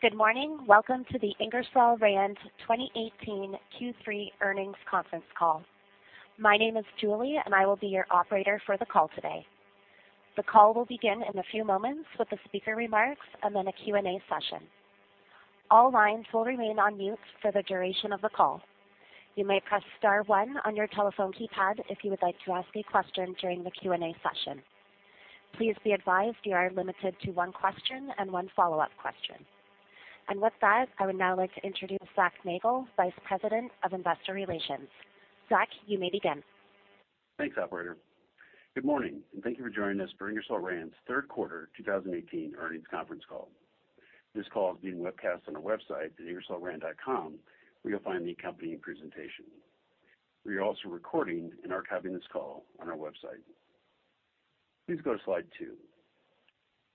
Good morning. Welcome to the Ingersoll Rand 2018 Q3 earnings conference call. My name is Julie, and I will be your operator for the call today. The call will begin in a few moments with the speaker remarks and then a Q&A session. All lines will remain on mute for the duration of the call. You may press star one on your telephone keypad if you would like to ask a question during the Q&A session. Please be advised you are limited to one question and one follow-up question. With that, I would now like to introduce Zac Nagle, Vice President of Investor Relations. Zac, you may begin. Thanks, operator. Good morning, and thank you for joining us for Ingersoll Rand's third quarter 2018 earnings conference call. This call is being webcast on our website at ingersollrand.com, where you'll find the accompanying presentation. We are also recording and archiving this call on our website. Please go to slide two.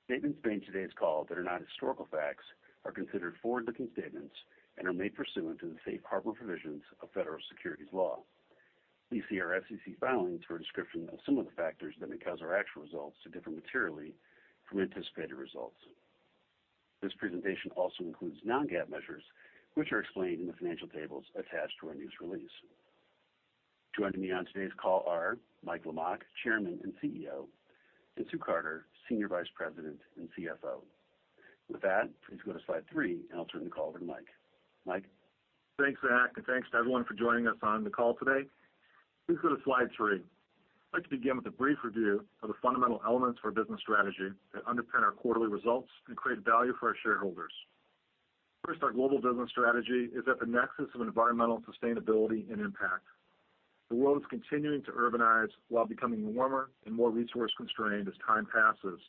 Statements made in today's call that are not historical facts are considered forward-looking statements and are made pursuant to the safe harbor provisions of federal securities law. Please see our SEC filings for a description of some of the factors that may cause our actual results to differ materially from anticipated results. This presentation also includes non-GAAP measures, which are explained in the financial tables attached to our news release. Joining me on today's call are Michael Lamach, Chairman and CEO, and Susan Carter, Senior Vice President and CFO. With that, please go to slide three. I'll turn the call over to Mike. Mike? Thanks, Zac. Thanks to everyone for joining us on the call today. Please go to slide three. I'd like to begin with a brief review of the fundamental elements for our business strategy that underpin our quarterly results and create value for our shareholders. First, our global business strategy is at the nexus of environmental sustainability and impact. The world is continuing to urbanize while becoming warmer and more resource-constrained as time passes.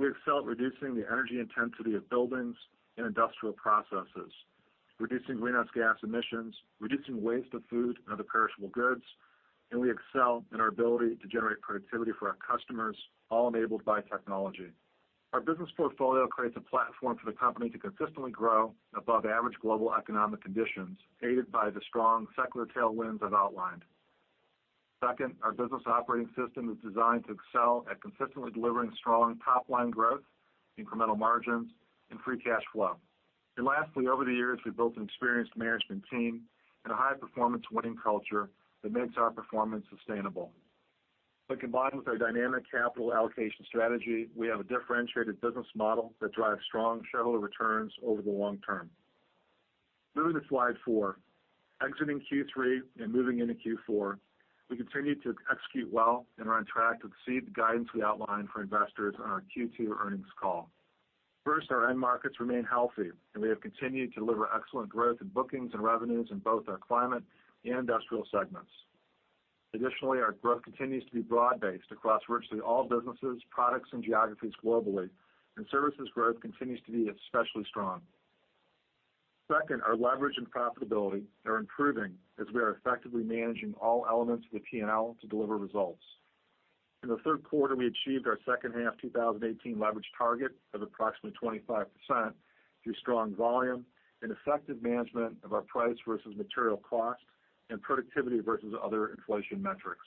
We excel at reducing the energy intensity of buildings and industrial processes, reducing greenhouse gas emissions, reducing waste of food and other perishable goods. We excel in our ability to generate productivity for our customers, all enabled by technology. Our business portfolio creates a platform for the company to consistently grow above average global economic conditions, aided by the strong secular tailwinds I've outlined. Second, our business operating system is designed to excel at consistently delivering strong top-line growth, incremental margins, and free cash flow. Lastly, over the years, we've built an experienced management team and a high-performance winning culture that makes our performance sustainable. When combined with our dynamic capital allocation strategy, we have a differentiated business model that drives strong shareholder returns over the long term. Moving to slide four. Exiting Q3 and moving into Q4, we continue to execute well and are on track to exceed the guidance we outlined for investors on our Q2 earnings call. First, our end markets remain healthy, and we have continued to deliver excellent growth in bookings and revenues in both our climate and industrial segments. Additionally, our growth continues to be broad-based across virtually all businesses, products, and geographies globally, and services growth continues to be especially strong. Second, our leverage and profitability are improving as we are effectively managing all elements of the P&L to deliver results. In the third quarter, we achieved our second half 2018 leverage target of approximately 25% through strong volume and effective management of our price versus material cost and productivity versus other inflation metrics.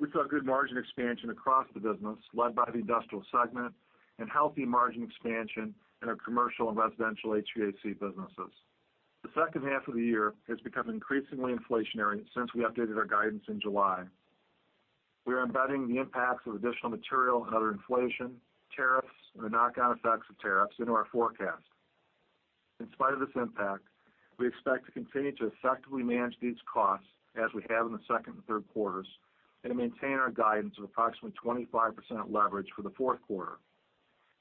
We saw good margin expansion across the business, led by the industrial segment and healthy margin expansion in our commercial and residential HVAC businesses. The second half of the year has become increasingly inflationary since we updated our guidance in July. We are embedding the impacts of additional material and other inflation, tariffs, and the knock-on effects of tariffs into our forecast. In spite of this impact, we expect to continue to effectively manage these costs as we have in the second and third quarters and to maintain our guidance of approximately 25% leverage for the fourth quarter.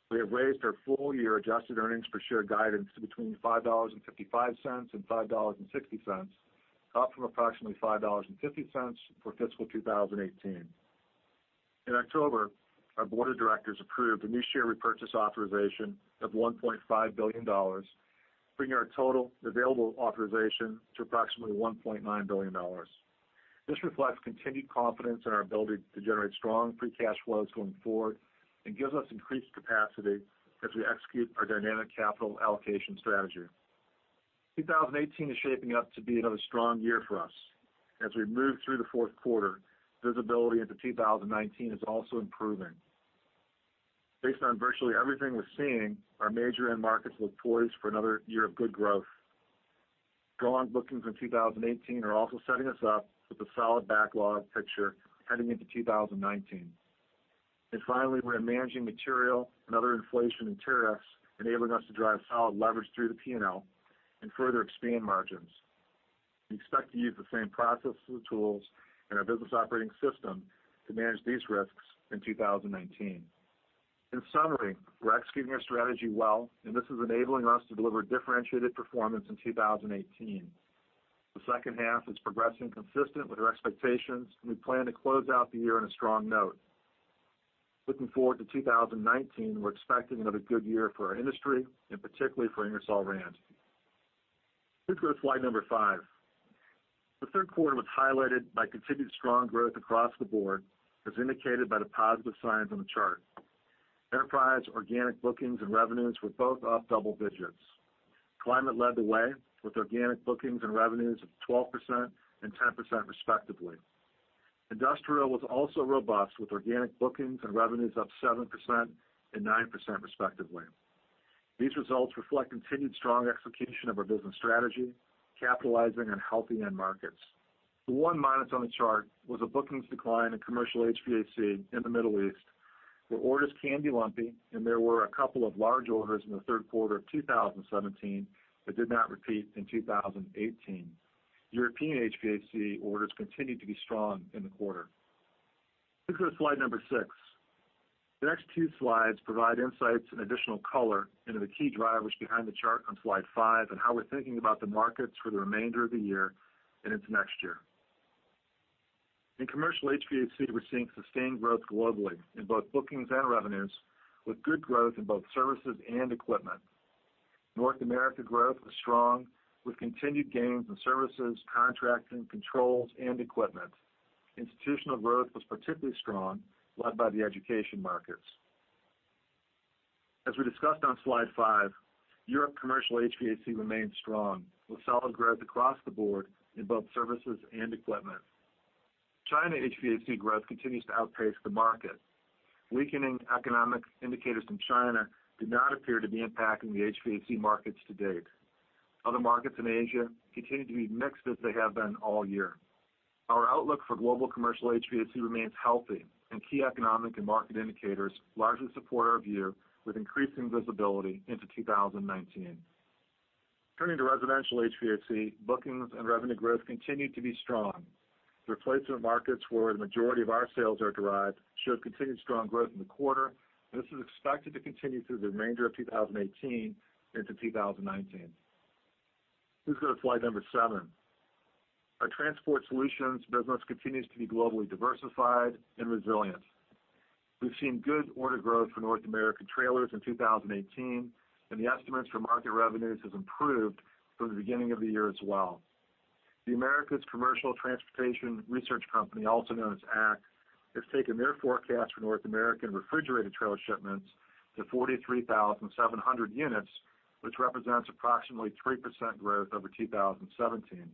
We have raised our full-year adjusted earnings per share guidance to between $5.55 and $5.60, up from approximately $5.50 for fiscal 2018. In October, our board of directors approved a new share repurchase authorization of $1.5 billion, bringing our total available authorization to approximately $1.9 billion. This reflects continued confidence in our ability to generate strong free cash flows going forward and gives us increased capacity as we execute our dynamic capital allocation strategy. 2018 is shaping up to be another strong year for us. As we move through the fourth quarter, visibility into 2019 is also improving. Based on virtually everything we're seeing, our major end markets look poised for another year of good growth. Strong bookings in 2018 are also setting us up with a solid backlog picture heading into 2019. Finally, we're managing material and other inflation and tariffs, enabling us to drive solid leverage through the P&L and further expand margins. We expect to use the same processes and tools in our business operating system to manage these risks in 2019. Summary, we're executing our strategy well, and this is enabling us to deliver differentiated performance in 2018. The second half is progressing consistent with our expectations, and we plan to close out the year on a strong note. Looking forward to 2019, we're expecting another good year for our industry, and particularly for Ingersoll Rand. Please go to slide number five. The third quarter was highlighted by continued strong growth across the board, as indicated by the positive signs on the chart. Enterprise organic bookings and revenues were both up double digits. Climate led the way with organic bookings and revenues of 12% and 10% respectively. Industrial was also robust with organic bookings and revenues up 7% and 9% respectively. These results reflect continued strong execution of our business strategy, capitalizing on healthy end markets. The one minus on the chart was a bookings decline in commercial HVAC in the Middle East, where orders can be lumpy, and there were a couple of large orders in the third quarter of 2017 that did not repeat in 2018. European HVAC orders continued to be strong in the quarter. Please go to slide number six. The next two slides provide insights and additional color into the key drivers behind the chart on slide five, and how we're thinking about the markets for the remainder of the year and into next year. In commercial HVAC, we're seeing sustained growth globally in both bookings and revenues, with good growth in both services and equipment. North America growth was strong with continued gains in services, contracting, controls, and equipment. Institutional growth was particularly strong, led by the education markets. As we discussed on slide five, Europe commercial HVAC remains strong, with solid growth across the board in both services and equipment. China HVAC growth continues to outpace the market. Weakening economic indicators from China do not appear to be impacting the HVAC markets to date. Other markets in Asia continue to be mixed as they have been all year. Our outlook for global commercial HVAC remains healthy, and key economic and market indicators largely support our view, with increasing visibility into 2019. Turning to residential HVAC, bookings and revenue growth continued to be strong. Replacement markets where the majority of our sales are derived showed continued strong growth in the quarter. This is expected to continue through the remainder of 2018 into 2019. Please go to slide number seven. Our transport solutions business continues to be globally diversified and resilient. We've seen good order growth for North American trailers in 2018, and the estimates for market revenues have improved from the beginning of the year as well. The Americas Commercial Transportation Research Company, also known as ACT, has taken their forecast for North American refrigerated trailer shipments to 43,700 units, which represents approximately 3% growth over 2017.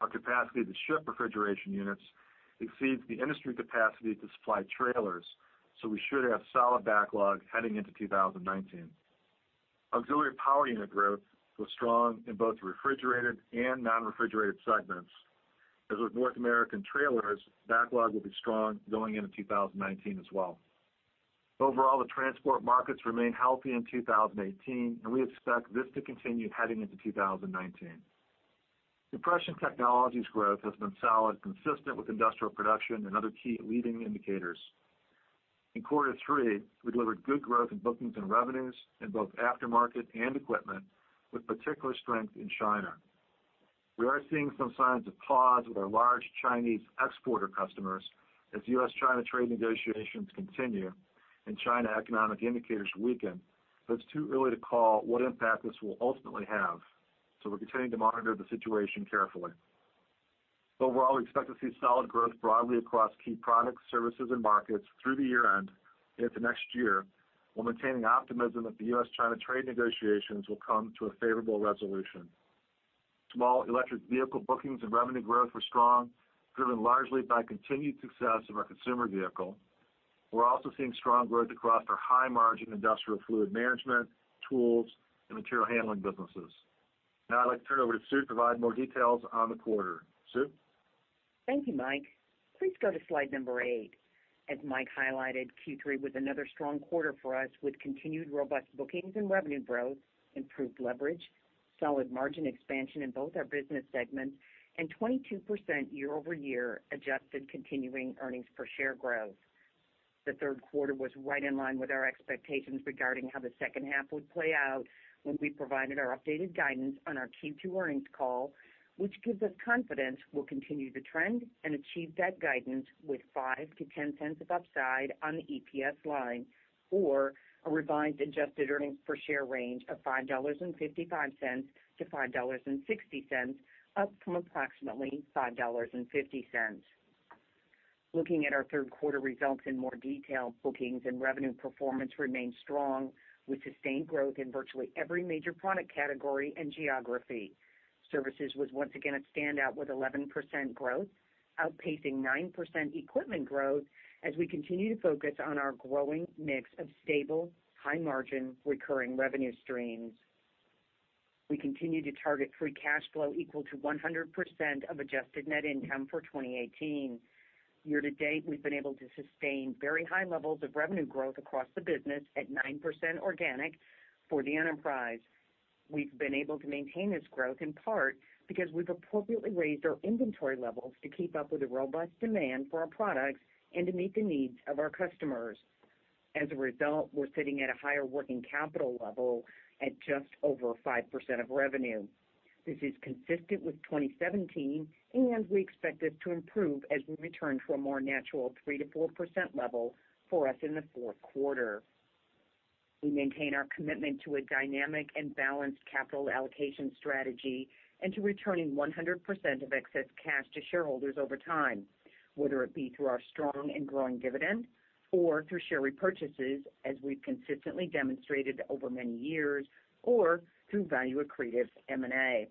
Our capacity to ship refrigeration units exceeds the industry capacity to supply trailers. We should have solid backlog heading into 2019. Auxiliary power unit growth was strong in both refrigerated and non-refrigerated segments. As with North American trailers, backlog will be strong going into 2019 as well. Overall, the transport markets remain healthy in 2018, and we expect this to continue heading into 2019. Compression technologies growth has been solid, consistent with industrial production and other key leading indicators. In quarter three, we delivered good growth in bookings and revenues in both aftermarket and equipment, with particular strength in China. We are seeing some signs of pause with our large Chinese exporter customers as U.S.-China trade negotiations continue and China economic indicators weaken. It's too early to call what impact this will ultimately have. We're continuing to monitor the situation carefully. Overall, we expect to see solid growth broadly across key products, services, and markets through the year-end into next year, while maintaining optimism that the U.S.-China trade negotiations will come to a favorable resolution. Small electric vehicle bookings and revenue growth were strong, driven largely by continued success of our consumer vehicle. We are also seeing strong growth across our high-margin industrial fluid management, tools, and material handling businesses. I would like to turn it over to Sue to provide more details on the quarter. Sue? Thank you, Mike. Please go to slide number eight. As Mike highlighted, Q3 was another strong quarter for us with continued robust bookings and revenue growth, improved leverage, solid margin expansion in both our business segments, and 22% year-over-year adjusted continuing earnings per share growth. The third quarter was right in line with our expectations regarding how the second half would play out when we provided our updated guidance on our Q2 earnings call, which gives us confidence we will continue the trend and achieve that guidance with $0.05-$0.10 of upside on the EPS line. A revised adjusted earnings per share range of $5.55-$5.60, up from approximately $5.50. Looking at our third quarter results in more detail, bookings and revenue performance remained strong, with sustained growth in virtually every major product category and geography. Services was once again a standout with 11% growth, outpacing 9% equipment growth as we continue to focus on our growing mix of stable, high-margin, recurring revenue streams. We continue to target free cash flow equal to 100% of adjusted net income for 2018. Year-to-date, we have been able to sustain very high levels of revenue growth across the business at 9% organic for the enterprise. We have been able to maintain this growth in part because we have appropriately raised our inventory levels to keep up with the robust demand for our products and to meet the needs of our customers. As a result, we are sitting at a higher working capital level at just over 5% of revenue. This is consistent with 2017, and we expect this to improve as we return to a more natural 3%-4% level for us in the fourth quarter. We maintain our commitment to a dynamic and balanced capital allocation strategy, to returning 100% of excess cash to shareholders over time, whether it be through our strong and growing dividend or through share repurchases as we have consistently demonstrated over many years, or through value-accretive M&A.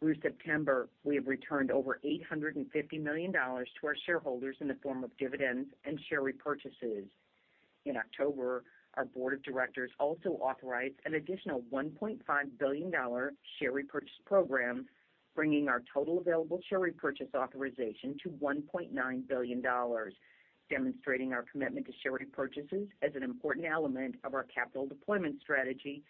Through September, we have returned over $850 million to our shareholders in the form of dividends and share repurchases. In October, our board of directors also authorized an additional $1.5 billion share repurchase program, bringing our total available share repurchase authorization to $1.9 billion, demonstrating our commitment to share repurchases as an important element of our capital deployment strategy,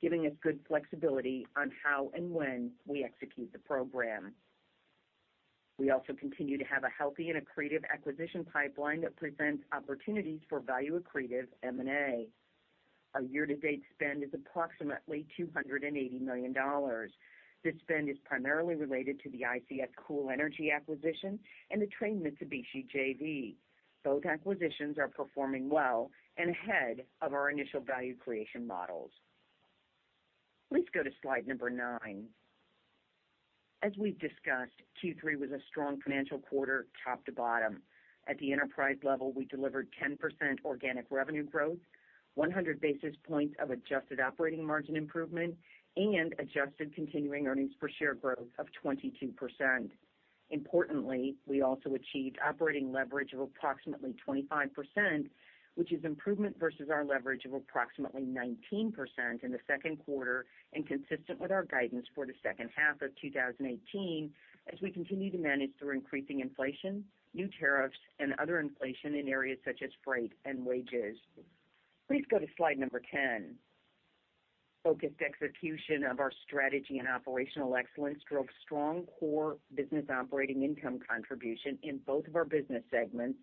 giving us good flexibility on how and when we execute the program. We also continue to have a healthy and accretive acquisition pipeline that presents opportunities for value-accretive M&A. Our year-to-date spend is approximately $280 million. This spend is primarily related to the ICS Cool Energy acquisition and the Trane Mitsubishi JV. Both acquisitions are performing well and ahead of our initial value creation models. Please go to slide number nine. As we've discussed, Q3 was a strong financial quarter, top to bottom. At the enterprise level, we delivered 10% organic revenue growth, 100 basis points of adjusted operating margin improvement, and adjusted continuing earnings per share growth of 22%. Importantly, we also achieved operating leverage of approximately 25%, which is improvement versus our leverage of approximately 19% in the second quarter, and consistent with our guidance for the second half of 2018, as we continue to manage through increasing inflation, new tariffs, and other inflation in areas such as freight and wages. Please go to slide number 10. Focused execution of our strategy and operational excellence drove strong core business operating income contribution in both of our business segments,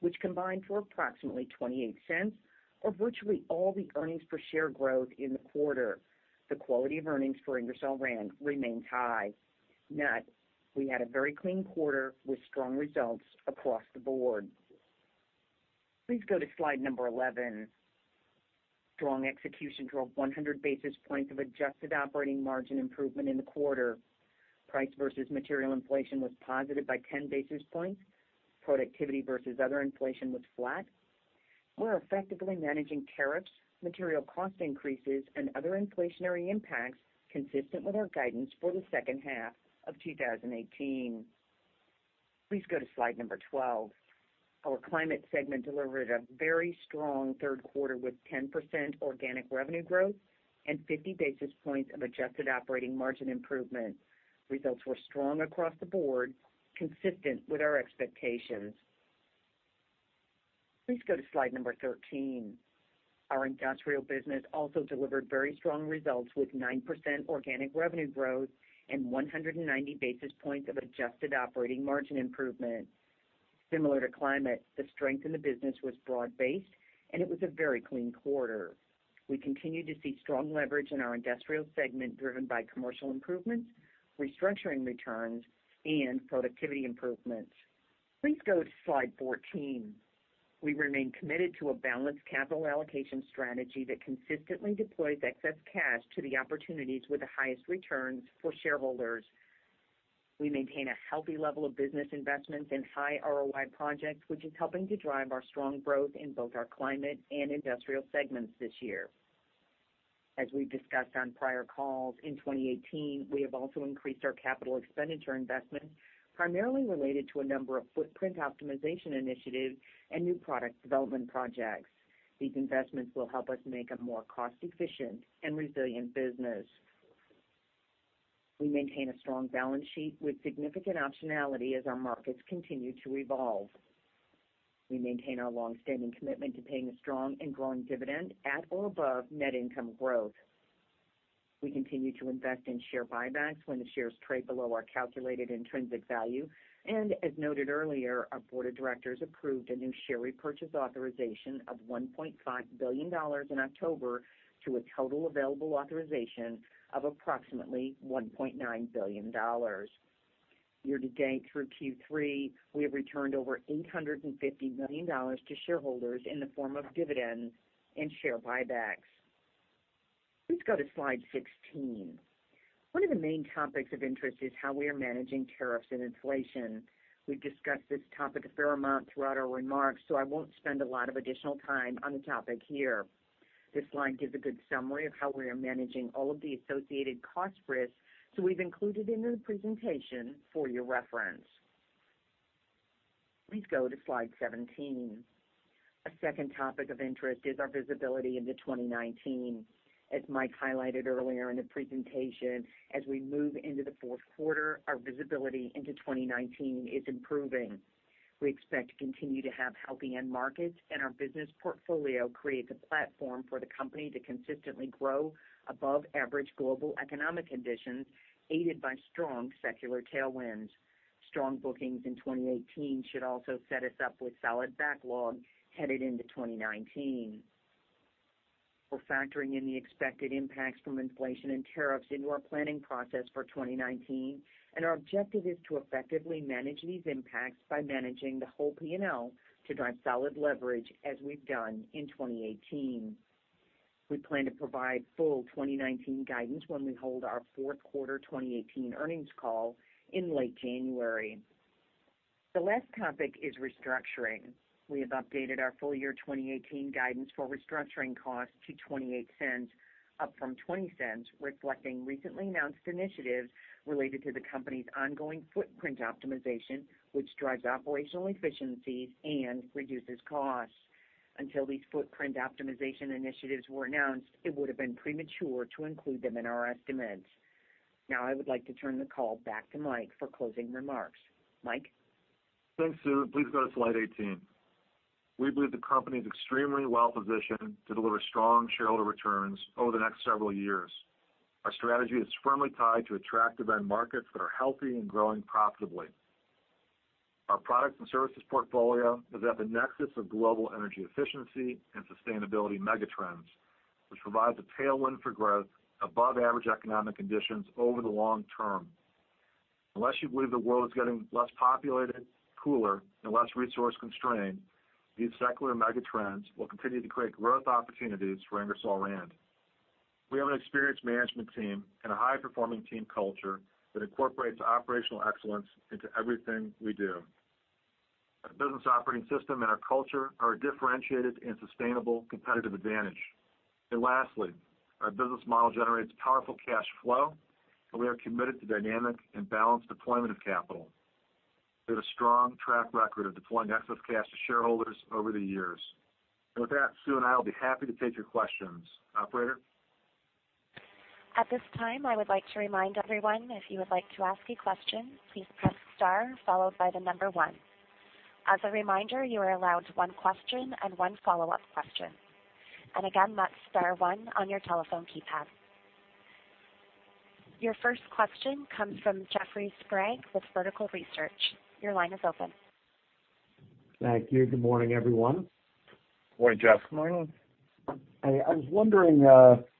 which combined for approximately $0.28 of virtually all the earnings per share growth in the quarter. The quality of earnings for Ingersoll Rand remains high. Net, we had a very clean quarter with strong results across the board. Please go to slide number 11. Strong execution drove 100 basis points of adjusted operating margin improvement in the quarter. Price versus material inflation was positive by 10 basis points. Productivity versus other inflation was flat. We're effectively managing tariffs, material cost increases, and other inflationary impacts consistent with our guidance for the second half of 2018. Please go to slide number 12. Our Climate segment delivered a very strong third quarter with 10% organic revenue growth and 50 basis points of adjusted operating margin improvement. Results were strong across the board, consistent with our expectations. Please go to slide number 13. Our Industrial business also delivered very strong results with 9% organic revenue growth and 190 basis points of adjusted operating margin improvement. Similar to Climate, the strength in the business was broad-based, and it was a very clean quarter. We continue to see strong leverage in our Industrial segment, driven by commercial improvements, restructuring returns, and productivity improvements. Please go to slide 14. We remain committed to a balanced capital allocation strategy that consistently deploys excess cash to the opportunities with the highest returns for shareholders. We maintain a healthy level of business investments in high ROI projects, which is helping to drive our strong growth in both our Climate and Industrial segments this year. As we've discussed on prior calls, in 2018, we have also increased our capital expenditure investment, primarily related to a number of footprint optimization initiatives and new product development projects. These investments will help us make a more cost-efficient and resilient business. We maintain a strong balance sheet with significant optionality as our markets continue to evolve. We maintain our longstanding commitment to paying a strong and growing dividend at or above net income growth. We continue to invest in share buybacks when the shares trade below our calculated intrinsic value, and as noted earlier, our board of directors approved a new share repurchase authorization of $1.5 billion in October to a total available authorization of approximately $1.9 billion. Year-to-date through Q3, we have returned over $850 million to shareholders in the form of dividends and share buybacks. Please go to slide 16. One of the main topics of interest is how we are managing tariffs and inflation. We've discussed this topic a fair amount throughout our remarks, I won't spend a lot of additional time on the topic here. This slide gives a good summary of how we are managing all of the associated cost risks, we've included it in the presentation for your reference. Please go to slide 17. A second topic of interest is our visibility into 2019. As Mike highlighted earlier in the presentation, as we move into the fourth quarter, our visibility into 2019 is improving. We expect to continue to have healthy end markets, and our business portfolio creates a platform for the company to consistently grow above average global economic conditions, aided by strong secular tailwinds. Strong bookings in 2018 should also set us up with solid backlog headed into 2019. We're factoring in the expected impacts from inflation and tariffs into our planning process for 2019, our objective is to effectively manage these impacts by managing the whole P&L to drive solid leverage as we've done in 2018. We plan to provide full 2019 guidance when we hold our fourth quarter 2018 earnings call in late January. The last topic is restructuring. We have updated our full-year 2018 guidance for restructuring costs to $0.28, up from $0.20, reflecting recently announced initiatives related to the company's ongoing footprint optimization, which drives operational efficiencies and reduces costs. Until these footprint optimization initiatives were announced, it would have been premature to include them in our estimates. I would like to turn the call back to Mike for closing remarks. Mike? Thanks, Sue. Please go to slide 18. We believe the company is extremely well-positioned to deliver strong shareholder returns over the next several years. Our strategy is firmly tied to attractive end markets that are healthy and growing profitably. Our products and services portfolio is at the nexus of global energy efficiency and sustainability megatrends, which provides a tailwind for growth above average economic conditions over the long term. Unless you believe the world is getting less populated, cooler, and less resource-constrained, these secular mega trends will continue to create growth opportunities for Ingersoll Rand. We have an experienced management team and a high-performing team culture that incorporates operational excellence into everything we do. Our business operating system and our culture are a differentiated and sustainable competitive advantage. Lastly, our business model generates powerful cash flow, we are committed to dynamic and balanced deployment of capital. We have a strong track record of deploying excess cash to shareholders over the years. With that, Sue and I will be happy to take your questions. Operator? At this time, I would like to remind everyone, if you would like to ask a question, please press star followed by the number one. As a reminder, you are allowed one question and one follow-up question. Again, that's star one on your telephone keypad. Your first question comes from Jeffrey Sprague with Vertical Research. Your line is open. Thank you. Good morning, everyone. Morning, Jeff. Morning. Hey. I was wondering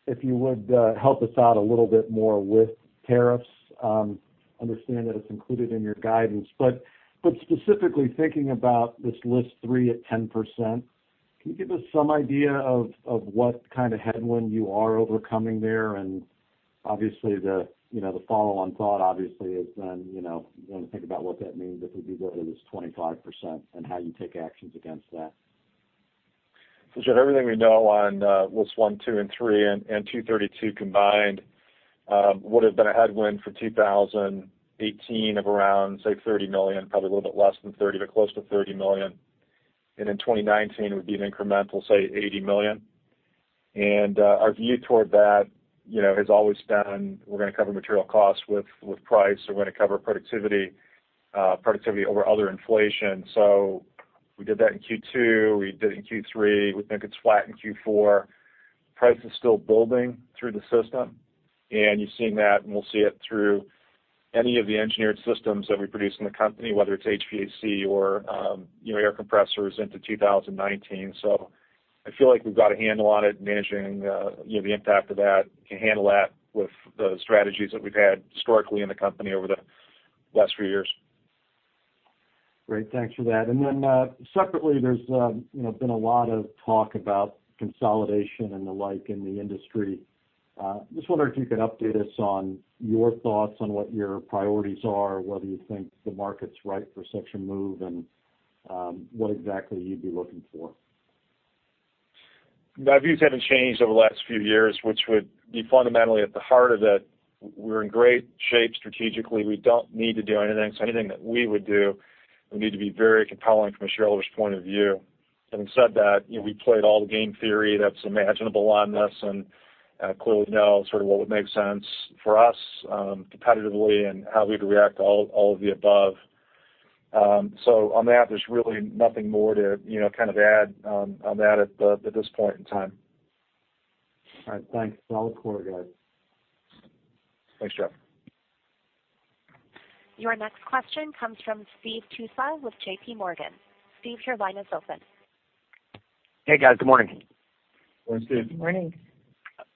if you would help us out a little bit more with tariffs. I understand that it's included in your guidance, but specifically thinking about this list three at 10%, can you give us some idea of what kind of headwind you are overcoming there? Obviously, the follow-on thought obviously is then when we think about what that means if we get this 25% and how you take actions against that. Jeff, everything we know on lists one, two, and three and Section 232 combined would've been a headwind for 2018 of around, say, $30 million, probably a little bit less than 30, but close to $30 million. In 2019, it would be an incremental, say, $80 million. Our view toward that has always been we're going to cover material costs with price, we're going to cover productivity over other inflation. We did that in Q2, we did it in Q3. We think it's flat in Q4. Price is still building through the system, and you're seeing that, and we'll see it through any of the engineered systems that we produce in the company, whether it's HVAC or air compressors into 2019. I feel like we've got a handle on it, managing the impact of that. We can handle that with the strategies that we've had historically in the company over the last few years. Great. Thanks for that. Separately, there's been a lot of talk about consolidation and the like in the industry. Just wondering if you could update us on your thoughts on what your priorities are, whether you think the market's right for such a move, and what exactly you'd be looking for. My views haven't changed over the last few years, which would be fundamentally at the heart of it, we're in great shape strategically. We don't need to do anything. Anything that we would do would need to be very compelling from a shareholder's point of view. Having said that, we played all the game theory that's imaginable on this, and clearly know sort of what would make sense for us competitively and how we'd react to all of the above. On that, there's really nothing more to kind of add on that at this point in time. All right. Thanks. Solid quarter, guys. Thanks, Jeff. Your next question comes from Steve Tusa with J.P. Morgan. Steve, your line is open. Hey, guys. Good morning. Morning, Steve.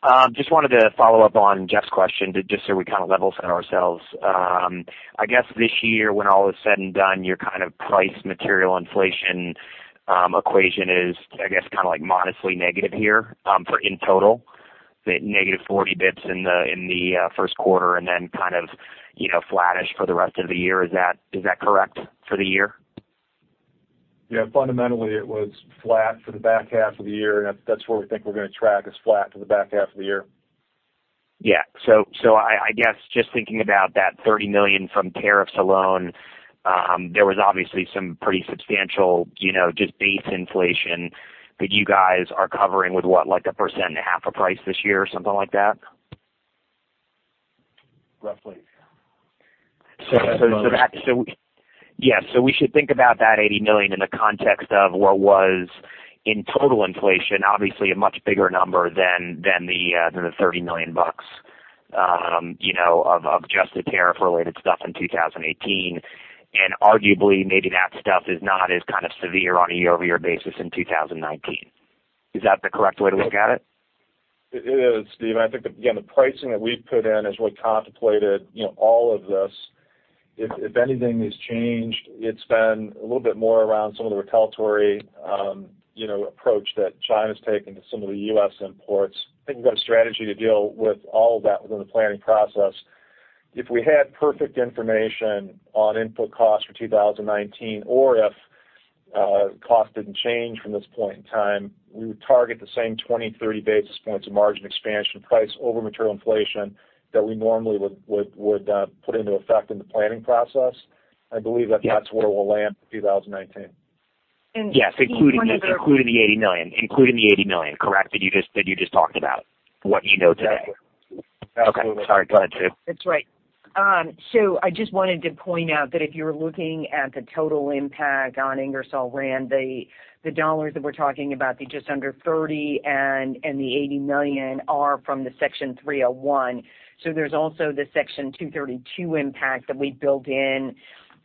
Morning. Just wanted to follow up on Jeff's question just so we kind of level set ourselves. I guess this year, when all is said and done, your kind of price material inflation equation is, I guess, kind of modestly negative here in total. Negative 40 basis points in the first quarter and then kind of flat-ish for the rest of the year. Is that correct for the year? Yeah. Fundamentally, it was flat for the back half of the year. That's where we think we're going to track, is flat for the back half of the year. Yeah. I guess just thinking about that $30 million from tariffs alone, there was obviously some pretty substantial just base inflation that you guys are covering with what? Like 1.5% of price this year or something like that? Roughly. We should think about that $80 million in the context of what was in total inflation, obviously a much bigger number than the $30 million of just the tariff-related stuff in 2018. Arguably, maybe that stuff is not as kind of severe on a year-over-year basis in 2019. Is that the correct way to look at it? It is, Steve. I think, again, the pricing that we've put in has really contemplated all of this. If anything has changed, it's been a little bit more around some of the retaliatory approach that China's taken to some of the U.S. imports. I think we've got a strategy to deal with all of that within the planning process. If we had perfect information on input costs for 2019, or if costs didn't change from this point in time, we would target the same 20-30 basis points of margin expansion price over material inflation that we normally would put into effect in the planning process. I believe that that's where we'll land for 2019. Yes. Including the $80 million that you just talked about, what you know today. Exactly. Absolutely. Okay. Sorry, go ahead, Sue. That's right. I just wanted to point out that if you're looking at the total impact on Ingersoll Rand, the dollars that we're talking about, the just under $30 and the $80 million are from the Section 301. There's also the Section 232 impact that we built in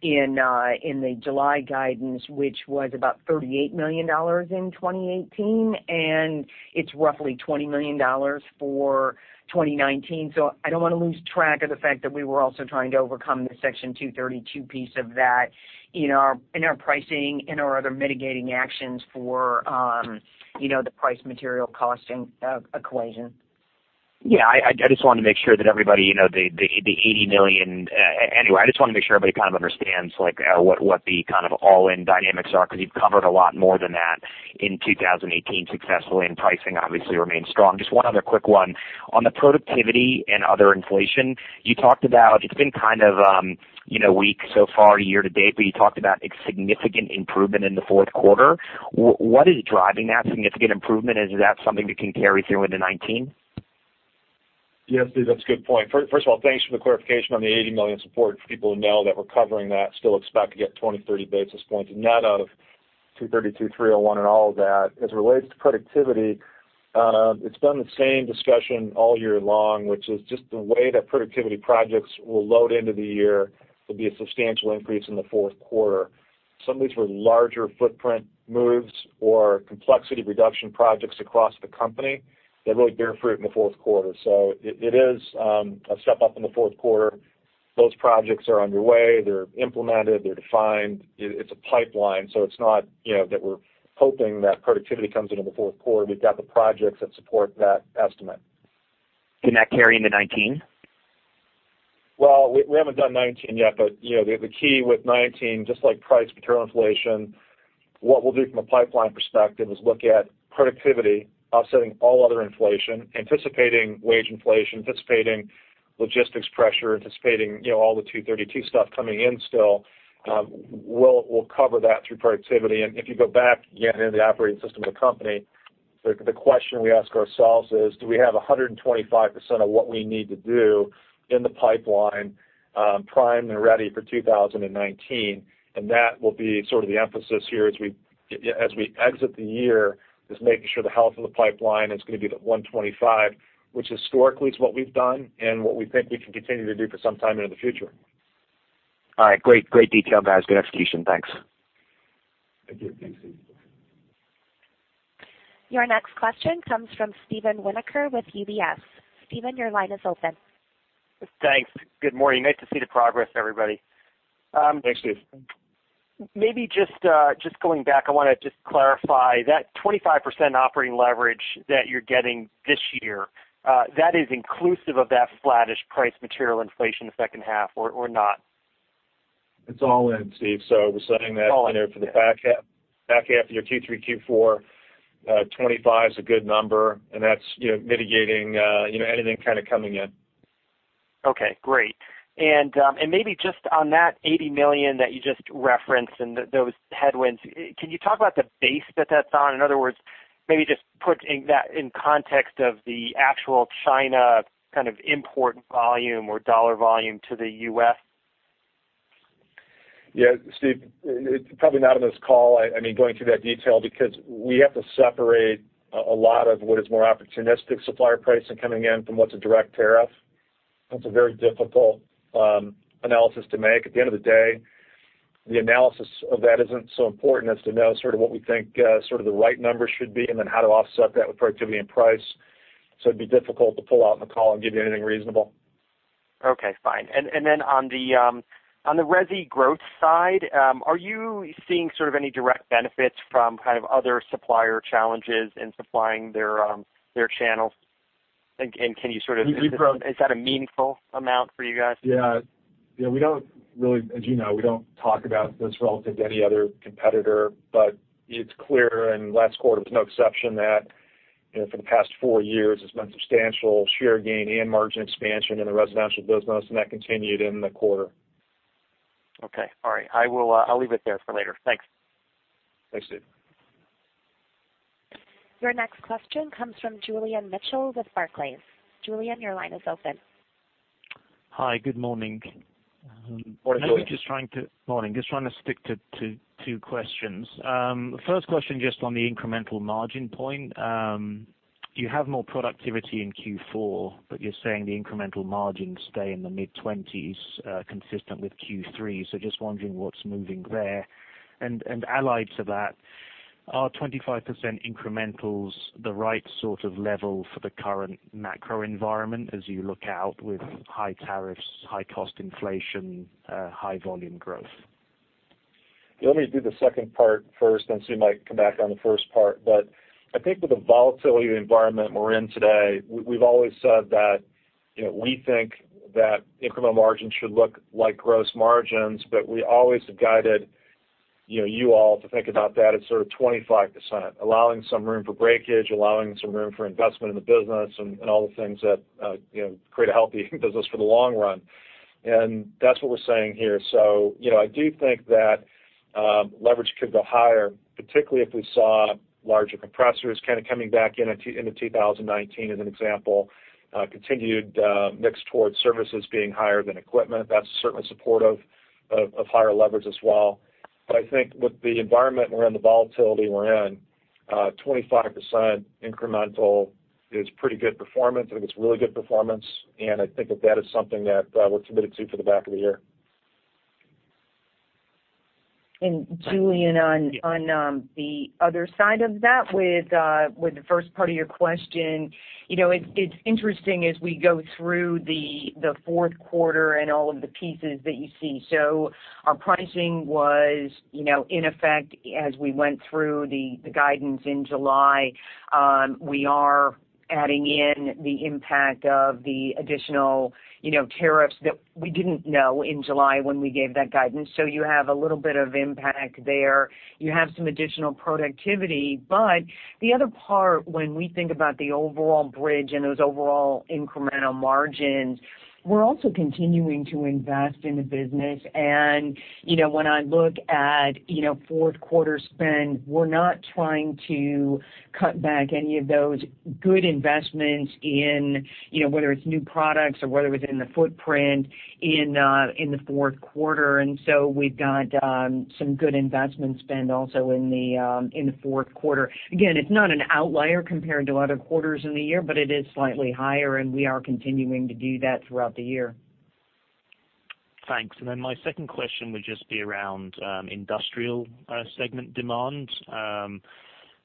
the July guidance, which was about $38 million in 2018, and it's roughly $20 million for 2019. I don't want to lose track of the fact that we were also trying to overcome the Section 232 piece of that in our pricing, in our other mitigating actions for the price material costing equation. I just wanted to make sure that everybody kind of understands what the kind of all-in dynamics are, because you've covered a lot more than that in 2018 successfully, and pricing obviously remains strong. Just one other quick one. On the productivity and other inflation, you talked about it's been kind of weak so far year to date, but you talked about a significant improvement in the fourth quarter. What is driving that significant improvement? Is that something that can carry through into 2019? Yes, Steve, that's a good point. First of all, thanks for the clarification on the $80 million support for people who know that we're covering that, still expect to get 20, 30 basis points net out of 232, 301, and all of that. As it relates to productivity, it's been the same discussion all year long, which is just the way that productivity projects will load into the year will be a substantial increase in the fourth quarter. Some of these were larger footprint moves or complexity reduction projects across the company that really bear fruit in the fourth quarter. It is a step up in the fourth quarter. Those projects are underway. They're implemented. They're defined. It's a pipeline, it's not that we're hoping that productivity comes into the fourth quarter. We've got the projects that support that estimate. Can that carry into 2019? Well, we haven't done 2019 yet, but the key with 2019, just like price material inflation, what we'll do from a pipeline perspective is look at productivity offsetting all other inflation, anticipating wage inflation, anticipating logistics pressure, anticipating all the Section 232 stuff coming in still. We'll cover that through productivity. If you go back again into the operating system of the company, the question we ask ourselves is: Do we have 125% of what we need to do in the pipeline primed and ready for 2019? That will be sort of the emphasis here as we exit the year, is making sure the health of the pipeline is going to be the 125, which historically is what we've done and what we think we can continue to do for some time into the future. All right. Great detail, guys. Good execution. Thanks. Thank you. Thanks, Steve. Your next question comes from Steven Winoker with UBS. Steven, your line is open. Thanks. Good morning. Nice to see the progress, everybody. Thanks, Steve. Maybe just going back, I want to just clarify that 25% operating leverage that you're getting this year, that is inclusive of that flattish price material inflation in the second half, or not? It's all in, Steve. We're setting that in there for the back half. Back half year Q3, Q4, 25% is a good number, and that's mitigating anything kind of coming in. Okay, great. Maybe just on that $80 million that you just referenced and those headwinds, can you talk about the base that that's on? In other words, maybe just putting that in context of the actual China kind of import volume or dollar volume to the U.S. Yeah, Steve, probably not on this call, going through that detail, because we have to separate a lot of what is more opportunistic supplier pricing coming in from what's a direct tariff. That's a very difficult analysis to make. At the end of the day, the analysis of that isn't so important as to know sort of what we think sort of the right number should be, and then how to offset that with productivity and price. It'd be difficult to pull out in the call and give you anything reasonable. Okay, fine. Then on the resi growth side, are you seeing sort of any direct benefits from kind of other supplier challenges in supplying their channels? Can you sort of We've grown- Is that a meaningful amount for you guys? Yeah. As you know, we don't talk about this relative to any other competitor, but it's clear, and last quarter was no exception, that for the past four years, there's been substantial share gain and margin expansion in the residential business, and that continued in the quarter. Okay. All right. I'll leave it there for later. Thanks. Thanks, Steve. Your next question comes from Julian Mitchell with Barclays. Julian, your line is open. Hi, good morning. Morning, Julian. Just trying to stick to two questions. First question, just on the incremental margin point. You have more productivity in Q4, but you're saying the incremental margins stay in the mid-20s, consistent with Q3. Just wondering what's moving there. Allied to that, are 25% incrementals the right sort of level for the current macro environment as you look out with high tariffs, high cost inflation, high volume growth? Let me do the second part first, you might come back on the first part. I think with the volatility environment we're in today, we've always said that we think that incremental margins should look like gross margins. We always have guided you all to think about that at sort of 25%, allowing some room for breakage, allowing some room for investment in the business, all the things that create a healthy business for the long run. That's what we're saying here. I do think that leverage could go higher, particularly if we saw larger compressors kind of coming back in into 2019, as an example. Continued mix towards services being higher than equipment. That's certainly supportive of higher leverage as well. I think with the environment we're in, the volatility we're in, 25% incremental is pretty good performance. I think it's really good performance, I think that that is something that we're committed to for the back of the year. Julian, on the other side of that, with the first part of your question, it's interesting as we go through the fourth quarter and all of the pieces that you see. Our pricing was in effect as we went through the guidance in July. We are adding in the impact of the additional tariffs that we didn't know in July when we gave that guidance. You have a little bit of impact there. You have some additional productivity, the other part, when we think about the overall bridge and those overall incremental margins, we're also continuing to invest in the business. When I look at fourth quarter spend, we're not trying to cut back any of those good investments in whether it's new products or whether it's in the footprint in the fourth quarter. We've got some good investment spend also in the fourth quarter. Again, it's not an outlier compared to other quarters in the year, but it is slightly higher, and we are continuing to do that throughout the year. Thanks. My second question would just be around industrial segment demand.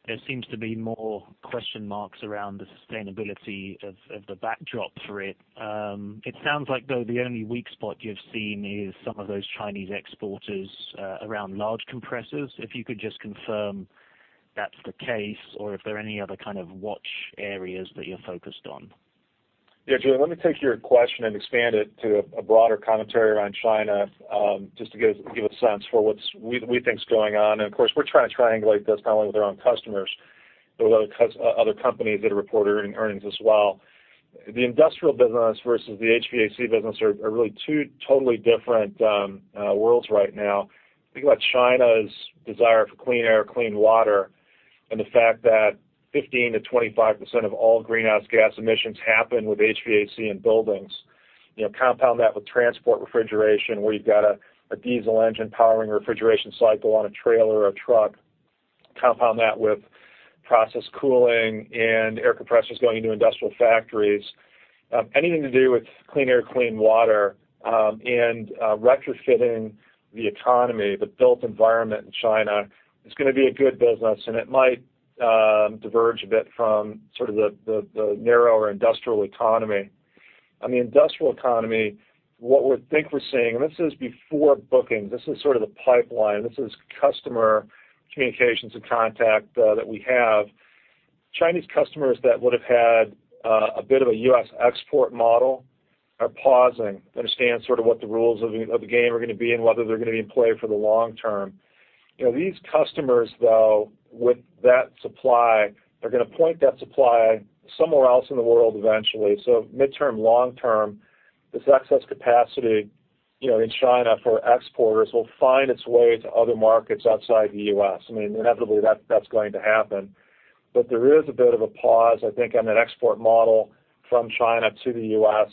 There seems to be more question marks around the sustainability of the backdrop for it. It sounds like, though, the only weak spot you've seen is some of those Chinese exporters around large compressors. If you could just confirm that's the case, or if there are any other kind of watch areas that you're focused on. Julian, let me take your question and expand it to a broader commentary around China just to give a sense for what we think is going on. Of course, we're trying to triangulate this not only with our own customers, but with other companies that have reported earnings as well. The industrial business versus the HVAC business are really two totally different worlds right now. Think about China's desire for clean air, clean water, and the fact that 15%-25% of all greenhouse gas emissions happen with HVAC in buildings. Compound that with transport refrigeration, where you've got a diesel engine powering a refrigeration cycle on a trailer or truck. Compound that with process cooling and air compressors going into industrial factories. Anything to do with clean air, clean water, and retrofitting the economy, the built environment in China is going to be a good business. It might diverge a bit from sort of the narrower industrial economy. On the industrial economy, what we think we're seeing, and this is before bookings, this is sort of the pipeline. This is customer communications and contact that we have. Chinese customers that would have had a bit of a U.S. export model are pausing to understand sort of what the rules of the game are going to be and whether they're going to be in play for the long term. These customers though, with that supply, are going to point that supply somewhere else in the world eventually. Midterm, long term, this excess capacity in China for exporters will find its way to other markets outside the U.S. I mean inevitably that's going to happen. There is a bit of a pause, I think, on that export model from China to the U.S.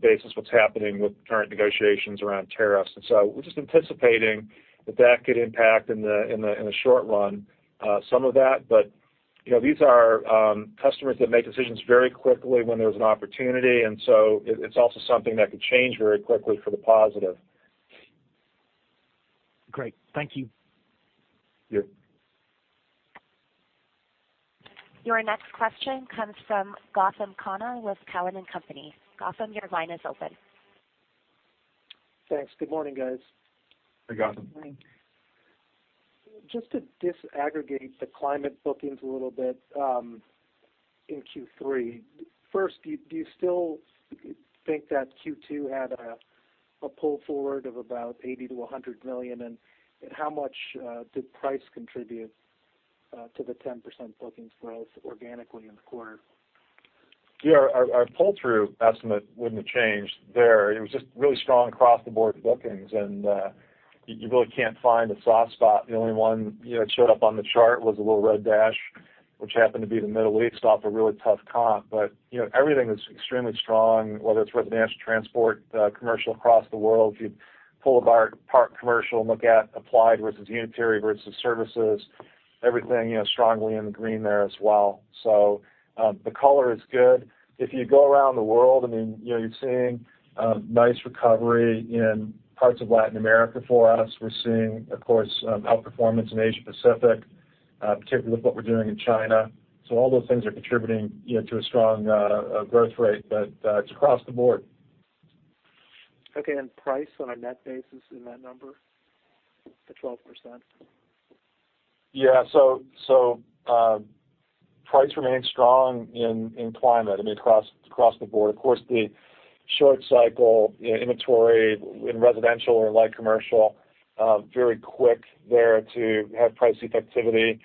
based on what's happening with current negotiations around tariffs. We're just anticipating that that could impact in the short run some of that. These are customers that make decisions very quickly when there's an opportunity. It's also something that could change very quickly for the positive. Great. Thank you. Yeah. Your next question comes from Gautam Khanna with Cowen and Company. Gautam, your line is open. Thanks. Good morning, guys. Hey, Gautam. Good morning. Just to disaggregate the climate bookings a little bit in Q3. First, do you still think that Q2 had a pull forward of about $80 million-$100 million? How much did price contribute to the 10% bookings growth organically in the quarter? Yeah, our pull-through estimate wouldn't have changed there. It was just really strong across the board bookings, and you really can't find a soft spot. The only one that showed up on the chart was a little red dash, which happened to be the Middle East off a really tough comp. Everything was extremely strong, whether it's residential, transport, commercial across the world. If you pull apart commercial and look at applied versus unitary versus services, everything strongly in the green there as well. The color is good. If you go around the world, you're seeing nice recovery in parts of Latin America for us. We're seeing, of course, outperformance in Asia Pacific. Particularly with what we're doing in China. All those things are contributing to a strong growth rate, but it's across the board. Okay. Price on a net basis in that number, the 12%? Yeah. Price remains strong in climate, across the board. Of course, the short cycle inventory in residential and light commercial, very quick there to have price effectivity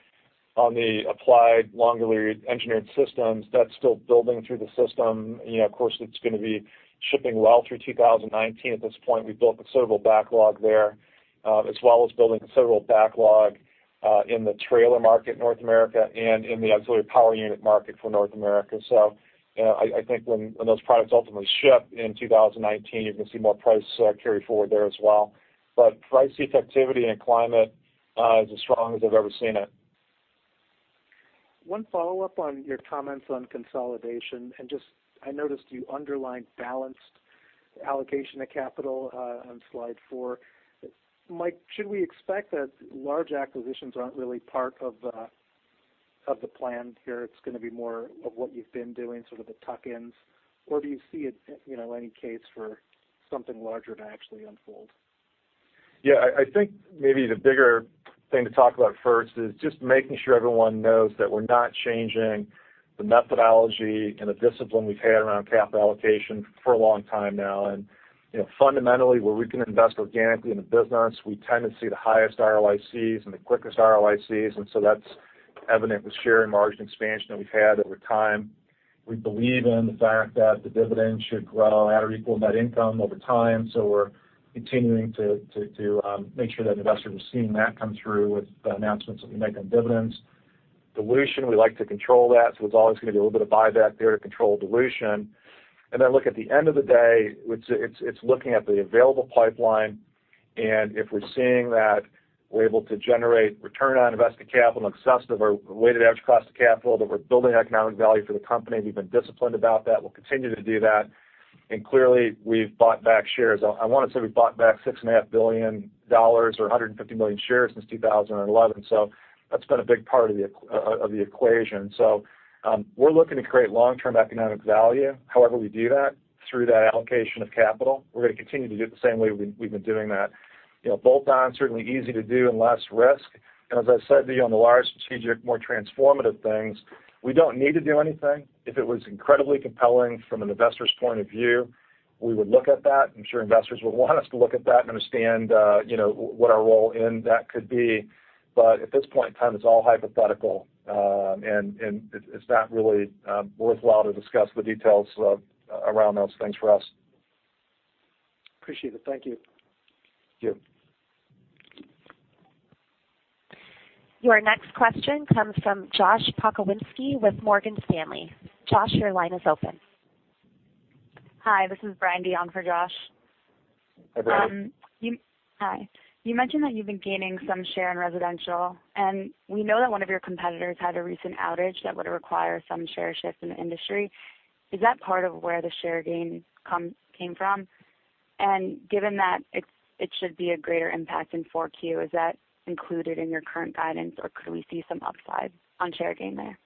on the applied longer engineered systems. That's still building through the system. Of course, it's going to be shipping well through 2019. At this point, we've built a considerable backlog there, as well as building considerable backlog in the trailer market, North America, and in the auxiliary power unit market for North America. I think when those products ultimately ship in 2019, you're going to see more price carry forward there as well. Price effectivity in climate is as strong as I've ever seen it. One follow-up on your comments on consolidation. I noticed you underlined balanced allocation of capital on slide four. Mike, should we expect that large acquisitions aren't really part of the plan here? It's going to be more of what you've been doing, sort of the tuck-ins, or do you see any case for something larger to actually unfold? Yeah. I think maybe the bigger thing to talk about first is just making sure everyone knows that we're not changing the methodology and the discipline we've had around capital allocation for a long time now. Fundamentally, where we can invest organically in the business, we tend to see the highest ROICs and the quickest ROICs. That's evident with share and margin expansion that we've had over time. We believe in the fact that the dividend should grow at or equal net income over time. We're continuing to make sure that investors are seeing that come through with the announcements that we make on dividends. Dilution, we like to control that, so there's always going to be a little bit of buyback there to control dilution. Look at the end of the day, it's looking at the available pipeline. If we're seeing that we're able to generate return on invested capital in excess of our weighted average cost of capital, that we're building economic value for the company, we've been disciplined about that. We'll continue to do that. Clearly, we've bought back shares. I want to say we've bought back $6.5 billion or 150 million shares since 2011. That's been a big part of the equation. We're looking to create long-term economic value, however we do that, through the allocation of capital. We're going to continue to do it the same way we've been doing that. Bolt-on, certainly easy to do and less risk. As I said to you, on the larger strategic, more transformative things, we don't need to do anything. If it was incredibly compelling from an investor's point of view, we would look at that. I'm sure investors would want us to look at that and understand what our role in that could be. At this point in time, it's all hypothetical. It's not really worthwhile to discuss the details around those things for us. Appreciate it. Thank you. Thank you. Your next question comes from Josh Pokrzywinski with Morgan Stanley. Josh, your line is open. Hi, this is Breindy on for Josh. Hi, Breindy. Hi. You mentioned that you've been gaining some share in residential, we know that one of your competitors had a recent outage that would require some share shift in the industry. Is that part of where the share gain came from? Given that it should be a greater impact in 4Q, is that included in your current guidance, or could we see some upside on share gain there?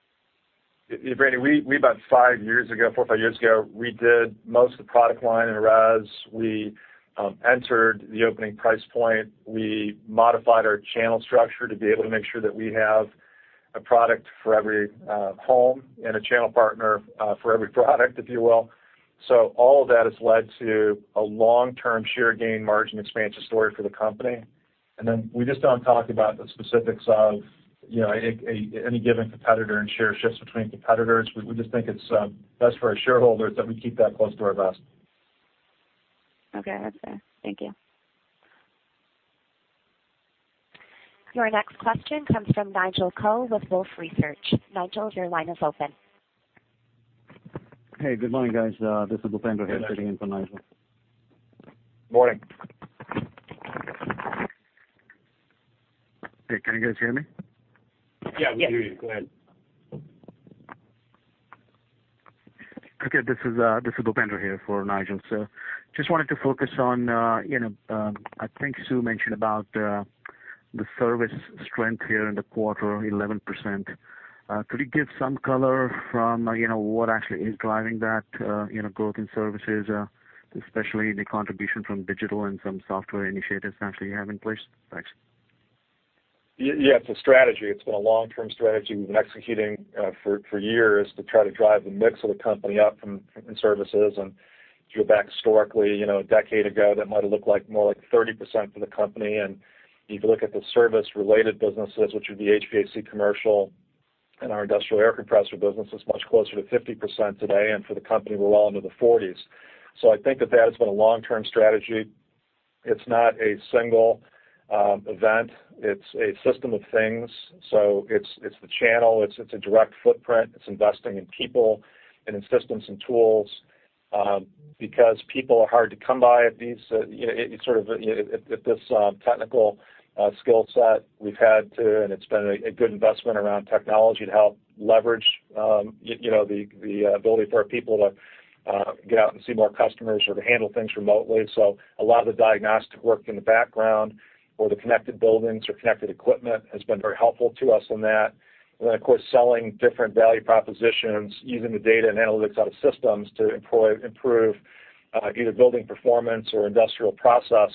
Yeah. Breindy, about five years ago, four or five years ago, we did most of the product line in res. We entered the opening price point. We modified our channel structure to be able to make sure that we have a product for every home and a channel partner for every product, if you will. All of that has led to a long-term share gain margin expansion story for the company. We just don't talk about the specifics of any given competitor and share shifts between competitors. We just think it's best for our shareholders that we keep that close to our vest. Okay. That's fair. Thank you. Your next question comes from Nigel Coe with Wolfe Research. Nigel, your line is open. Hey, good morning, guys. This is Bhupender here- Good morning sitting in for Nigel. Morning. Hey, can you guys hear me? Yeah, we hear you. Go ahead. Yes. Okay, this is Bhupender here for Nigel. Just wanted to focus on, I think Sue mentioned about the service strength here in the quarter, 11%. Could you give some color from what actually is driving that growth in services, especially the contribution from digital and some software initiatives that you have in place? Thanks. Yeah. It's a strategy. It's been a long-term strategy we've been executing for years to try to drive the mix of the company up from services. If you go back historically, a decade ago, that might've looked like more like 30% for the company. If you look at the service-related businesses, which would be HVAC, commercial, and our industrial air compressor business is much closer to 50% today. For the company, we're well into the 40s. I think that that has been a long-term strategy. It's not a single event. It's a system of things. It's the channel. It's a direct footprint. It's investing in people and in systems and tools. Because people are hard to come by at this technical skill set. We've had to, it's been a good investment around technology to help leverage the ability for our people to get out and see more customers or to handle things remotely. A lot of the diagnostic work in the background or the connected buildings or connected equipment has been very helpful to us in that. Then, of course, selling different value propositions using the data and analytics out of systems to improve either building performance or industrial process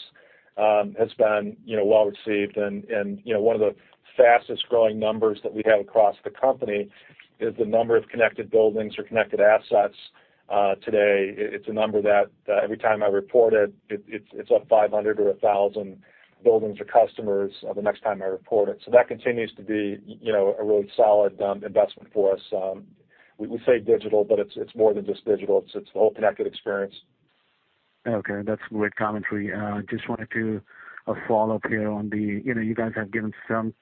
has been well received. One of the fastest-growing numbers that we have across the company is the number of connected buildings or connected assets today. It's a number that every time I report it's up 500 or 1,000 buildings or customers the next time I report it. That continues to be a really solid investment for us. We say digital, but it's more than just digital. It's the whole connected experience. Okay, that's great commentary. Just wanted to follow up here. You guys have given some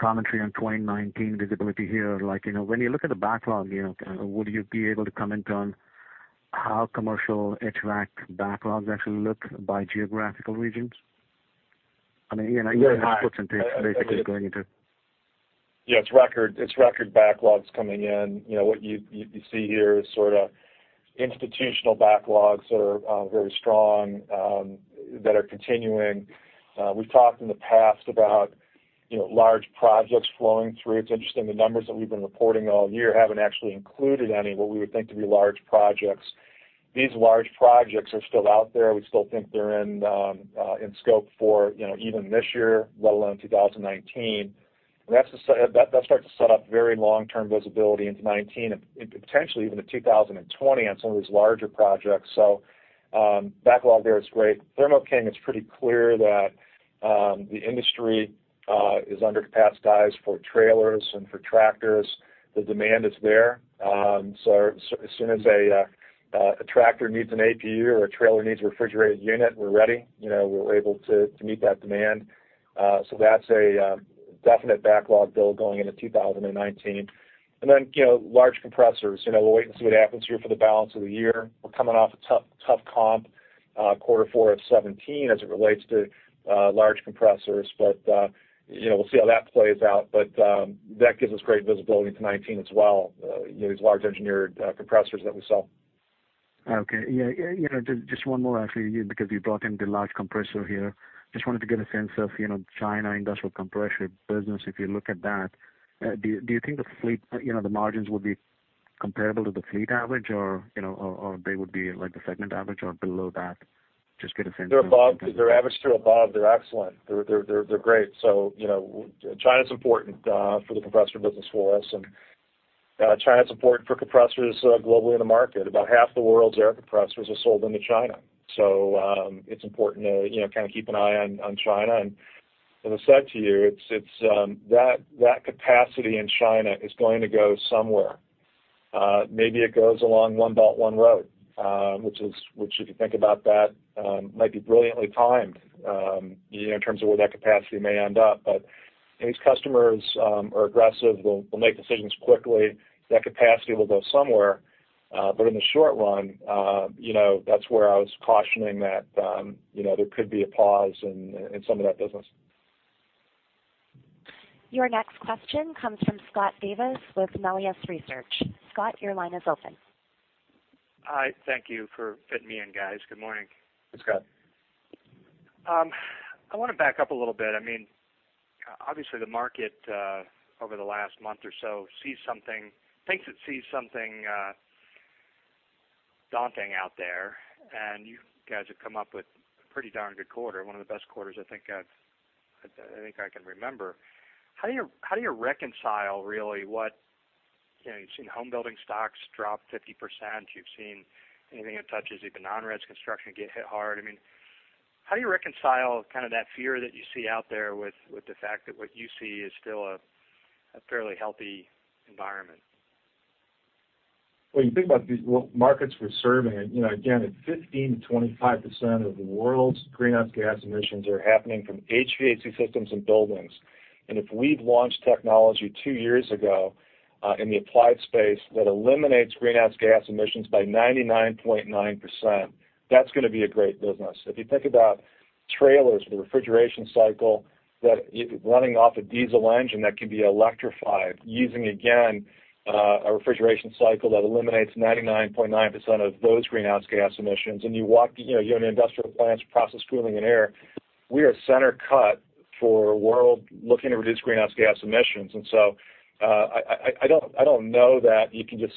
commentary on 2019 visibility here. When you look at the backlog, would you be able to comment on how commercial HVAC backlogs actually look by geographical regions? Yeah. You have the footnotes basically going into it. Yeah, it's record backlogs coming in. What you see here is institutional backlogs that are very strong, that are continuing. We've talked in the past about large projects flowing through. It's interesting, the numbers that we've been reporting all year haven't actually included any, what we would think to be large projects. These large projects are still out there. We still think they're in scope for even this year, let alone 2019. That starts to set up very long-term visibility into 2019 and potentially even to 2020 on some of these larger projects. Backlog there is great. Thermo King, it's pretty clear that the industry is under-capacitated for trailers and for tractors. The demand is there. As soon as a tractor needs an APU or a trailer needs a refrigerated unit, we're ready. We're able to meet that demand. That's a definite backlog build going into 2019. Large compressors, we'll wait and see what happens here for the balance of the year. We're coming off a tough comp quarter four of 2017 as it relates to large compressors. We'll see how that plays out. That gives us great visibility into 2019 as well, these large engineered compressors that we sell. Okay. Yeah. Just one more actually, because you brought in the large compressor here. Just wanted to get a sense of China industrial compressor business, if you look at that. Do you think the margins would be comparable to the fleet average, or they would be like the segment average or below that? Just get a sense of. They're above. They're average to above. They're excellent. They're great. China's important for the compressor business for us, and China's important for compressors globally in the market. About half the world's air compressors are sold into China. It's important to kind of keep an eye on China. As I said to you, that capacity in China is going to go somewhere. Maybe it goes along One Belt One Road, which if you think about that, might be brilliantly timed in terms of where that capacity may end up. These customers are aggressive. They'll make decisions quickly. That capacity will go somewhere. In the short run, that's where I was cautioning that there could be a pause in some of that business. Your next question comes from Scott Davis with Melius Research. Scott, your line is open. Hi, thank you for fitting me in, guys. Good morning. Hey, Scott. I want to back up a little bit. Obviously, the market over the last month or so thinks it sees something daunting out there, and you guys have come up with a pretty darn good quarter, one of the best quarters I think I can remember. You've seen home building stocks drop 50%. You've seen anything that touches even non-res construction get hit hard. How do you reconcile kind of that fear that you see out there with the fact that what you see is still a fairly healthy environment? Well, you think about these markets we're serving, again, 15%-25% of the world's greenhouse gas emissions are happening from HVAC systems and buildings. If we've launched technology two years ago in the applied space that eliminates greenhouse gas emissions by 99.9%, that's going to be a great business. If you think about trailers with a refrigeration cycle running off a diesel engine that can be electrified using, again, a refrigeration cycle that eliminates 99.9% of those greenhouse gas emissions, and you have an industrial plant that's process cooling and air, we are center cut for a world looking to reduce greenhouse gas emissions. I don't know that you can just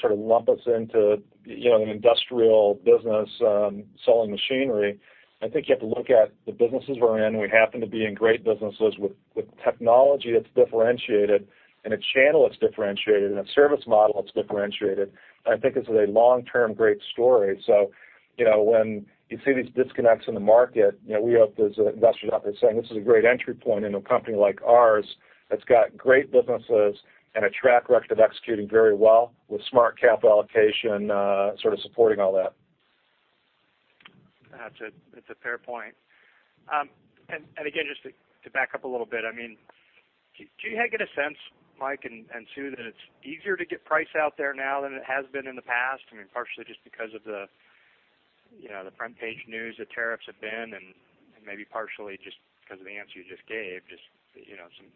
sort of lump us into an industrial business selling machinery. I think you have to look at the businesses we're in. We happen to be in great businesses with technology that's differentiated, and a channel that's differentiated, and a service model that's differentiated. I think this is a long-term great story. When you see these disconnects in the market, we hope there's investors out there saying this is a great entry point in a company like ours that's got great businesses and a track record of executing very well with smart capital allocation sort of supporting all that. That's a fair point. Just to back up a little bit, do you get a sense, Mike and Sue, that it's easier to get price out there now than it has been in the past? Partially just because of the front page news the tariffs have been, and maybe partially just because of the answer you just gave, just some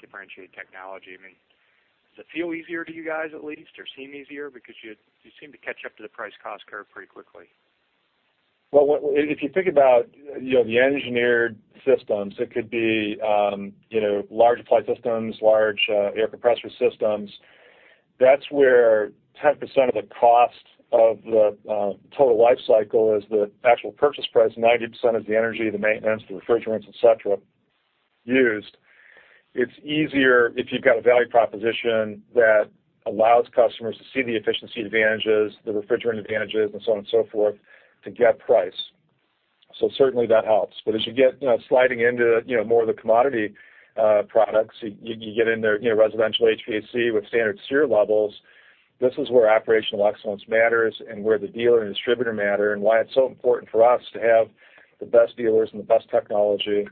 differentiated technology. Does it feel easier to you guys at least, or seem easier? Because you seem to catch up to the price cost curve pretty quickly. Well, if you think about the engineered systems, it could be large applied systems, large air compressor systems. That's where 10% of the cost of the total life cycle is the actual purchase price, 90% is the energy, the maintenance, the refrigerants, et cetera, used. It's easier if you've got a value proposition that allows customers to see the efficiency advantages, the refrigerant advantages, and so on and so forth, to get price. Certainly that helps. As you get sliding into more of the commodity products, you get in there residential HVAC with standard SEER levels. This is where operational excellence matters, and where the dealer and distributor matter, and why it's so important for us to have the best dealers and the best technology, and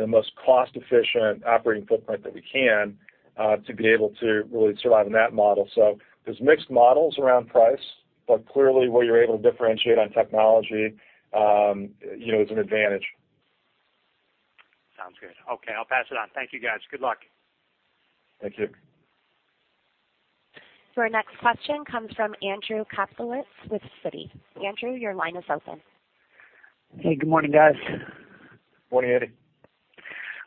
the most cost-efficient operating footprint that we can, to be able to really survive in that model. There's mixed models around price, clearly where you're able to differentiate on technology is an advantage. Sounds good. Okay, I'll pass it on. Thank you, guys. Good luck. Thank you. Your next question comes from Andrew Kaplowitz with Citi. Andrew, your line is open. Hey, good morning, guys. Morning, Andy.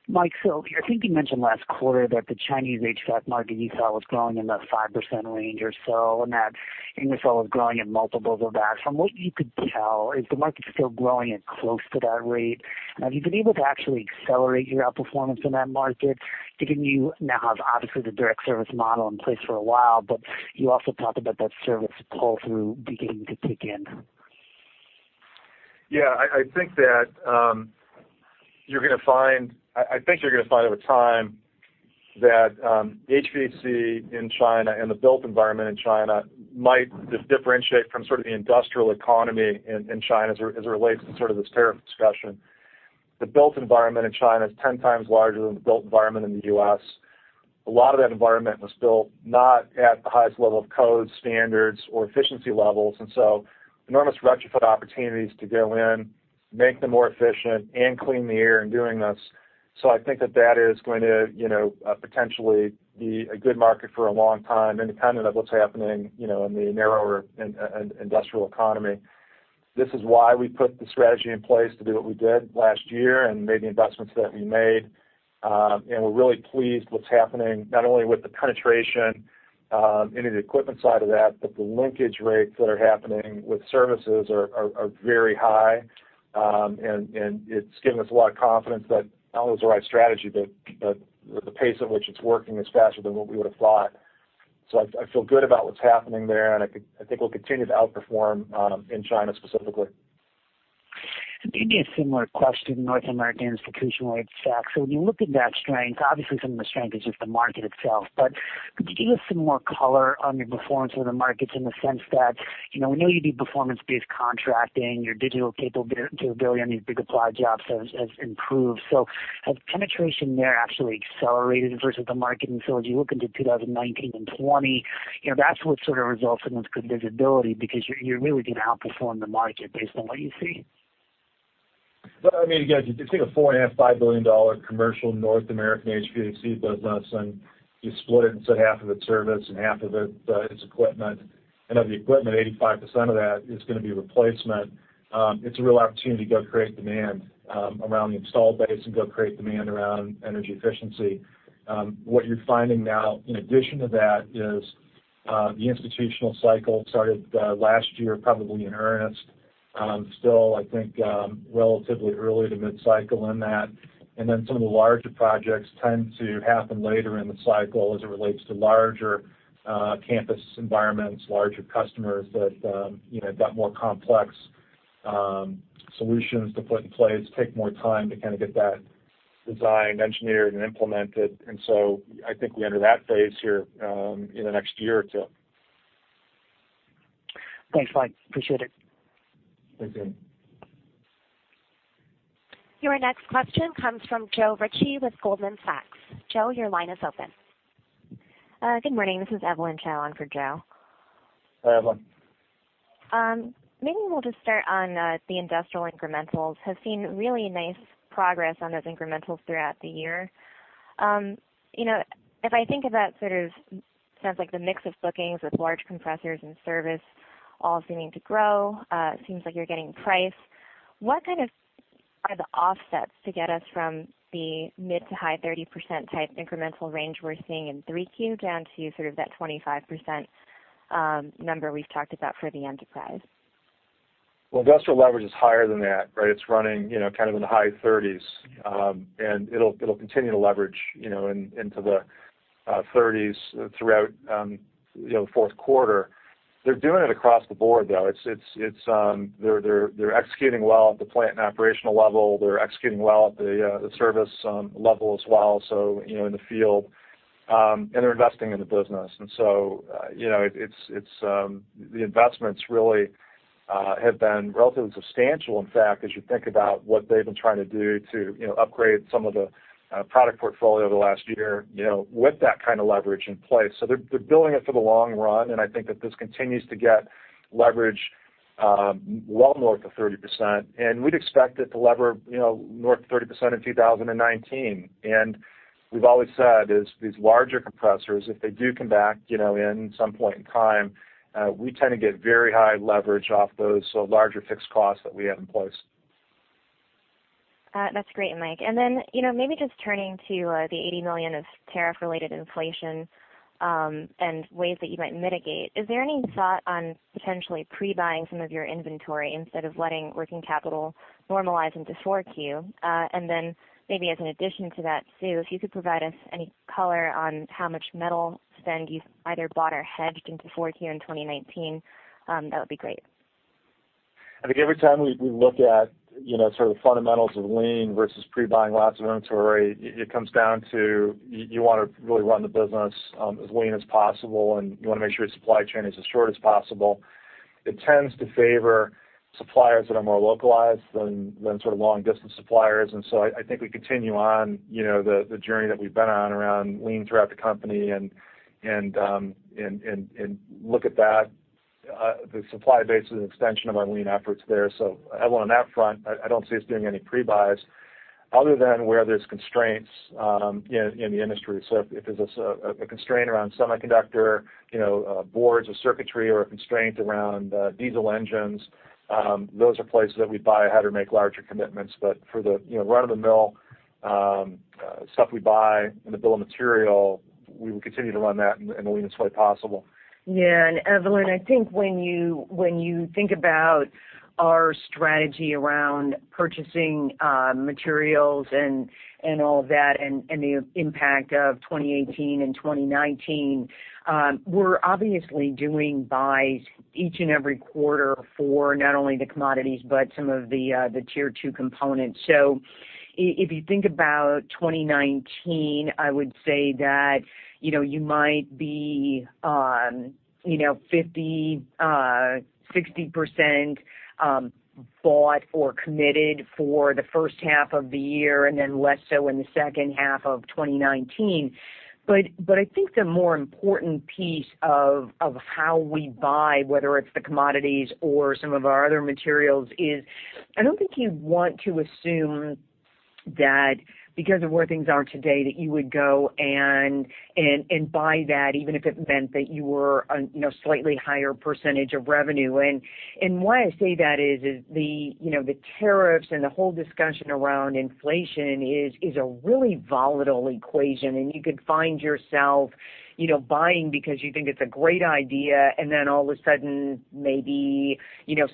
Mike, I think you mentioned last quarter that the Chinese HVAC market you saw was growing in the 5% range or so, and that Ingersoll is growing in multiples of that. From what you could tell, is the market still growing at close to that rate? Have you been able to actually accelerate your outperformance in that market, given you now have obviously the direct service model in place for a while, but you also talked about that service pull-through beginning to kick in? I think you're going to find over time that HVAC in China, and the built environment in China might just differentiate from sort of the industrial economy in China as it relates to sort of this tariff discussion. The built environment in China is 10 times larger than the built environment in the U.S. A lot of that environment was built not at the highest level of code standards or efficiency levels, enormous retrofit opportunities to go in, make them more efficient, and clean the air in doing this. I think that that is going to potentially be a good market for a long time, independent of what's happening in the narrower industrial economy. This is why we put the strategy in place to do what we did last year and made the investments that we made. We're really pleased what's happening, not only with the penetration into the equipment side of that, but the linkage rates that are happening with services are very high. It's given us a lot of confidence that not only is the right strategy, but the pace at which it's working is faster than what we would've thought. I feel good about what's happening there, and I think we'll continue to outperform in China specifically. Maybe a similar question, North American institutional HVAC. When you look at that strength, obviously some of the strength is just the market itself, but could you give us some more color on your performance in the markets in the sense that, we know you do performance-based contracting, your digital capability on these big applied jobs has improved. Has penetration there actually accelerated versus the market? As you look into 2019 and 2020, that's what sort of results in this good visibility because you're really going to outperform the market based on what you see. Well, again, if you take a $4.5 billion-$5 billion commercial North American HVAC business, you split it into half of it service and half of it is equipment, and of the equipment, 85% of that is going to be replacement. It's a real opportunity to go create demand around the installed base and go create demand around energy efficiency. What you're finding now, in addition to that, is the institutional cycle started last year, probably in earnest. Still, I think, relatively early to mid-cycle in that. Some of the larger projects tend to happen later in the cycle as it relates to larger campus environments, larger customers that got more complex solutions to put in place, take more time to kind of get that designed, engineered, and implemented. So I think we enter that phase here in the next year or two. Thanks, Mike. Appreciate it. Thank you. Your next question comes from Joe Ritchie with Goldman Sachs. Joe, your line is open. Good morning. This is Evelyn Chow on for Joe. Hi, Evelyn. Maybe we'll just start on the industrial incrementals. Have seen really nice progress on those incrementals throughout the year. If I think of that sort of, sounds like the mix of bookings with large compressors and service all seeming to grow, it seems like you're getting price. What kind of are the offsets to get us from the mid to high 30% type incremental range we're seeing in 3Q down to sort of that 25% number we've talked about for the enterprise? Well, industrial leverage is higher than that, right? It's running kind of in the high 30s. It'll continue to leverage into the 30s throughout the fourth quarter. They're doing it across the board, though. They're executing well at the plant and operational level. They're executing well at the service level as well, so in the field. They're investing in the business. The investments really have been relatively substantial, in fact, as you think about what they've been trying to do to upgrade some of the product portfolio over the last year with that kind of leverage in place. They're building it for the long run, and I think that this continues to get leverage well north of 30%. We'd expect it to lever north of 30% in 2019. We've always said is these larger compressors, if they do come back in some point in time, we tend to get very high leverage off those larger fixed costs that we have in place. That's great, Mike. Maybe just turning to the $80 million of tariff-related inflation, and ways that you might mitigate. Is there any thought on potentially pre-buying some of your inventory instead of letting working capital normalize into 4Q? Maybe as an addition to that, Sue, if you could provide us any color on how much metal spend you've either bought or hedged into 4Q in 2019, that would be great. I think every time we look at sort of the fundamentals of lean versus pre-buying lots of inventory, it comes down to you want to really run the business as lean as possible, and you want to make sure your supply chain is as short as possible. It tends to favor suppliers that are more localized than sort of long-distance suppliers. I think we continue on the journey that we've been on around lean throughout the company and look at that. The supply base is an extension of our lean efforts there. Evelyn, on that front, I don't see us doing any pre-buys other than where there's constraints in the industry. If there's a constraint around semiconductor boards or circuitry or a constraint around diesel engines, those are places that we'd buy ahead or make larger commitments. For the run-of-the-mill stuff we buy in the bill of material, we will continue to run that in the leanest way possible. Yeah. Evelyn, I think when you think about our strategy around purchasing materials and all of that and the impact of 2018 and 2019, we're obviously doing buys each and every quarter for not only the commodities, but some of the tier 2 components. If you think about 2019, I would say that you might be 50%, 60% bought or committed for the first half of the year, then less so in the second half of 2019. I think the more important piece of how we buy, whether it's the commodities or some of our other materials, is I don't think you want to assume that because of where things are today, that you would go and buy that, even if it meant that you were a slightly higher percentage of revenue. Why I say that is the tariffs and the whole discussion around inflation is a really volatile equation, and you could find yourself buying because you think it's a great idea, then all of a sudden, maybe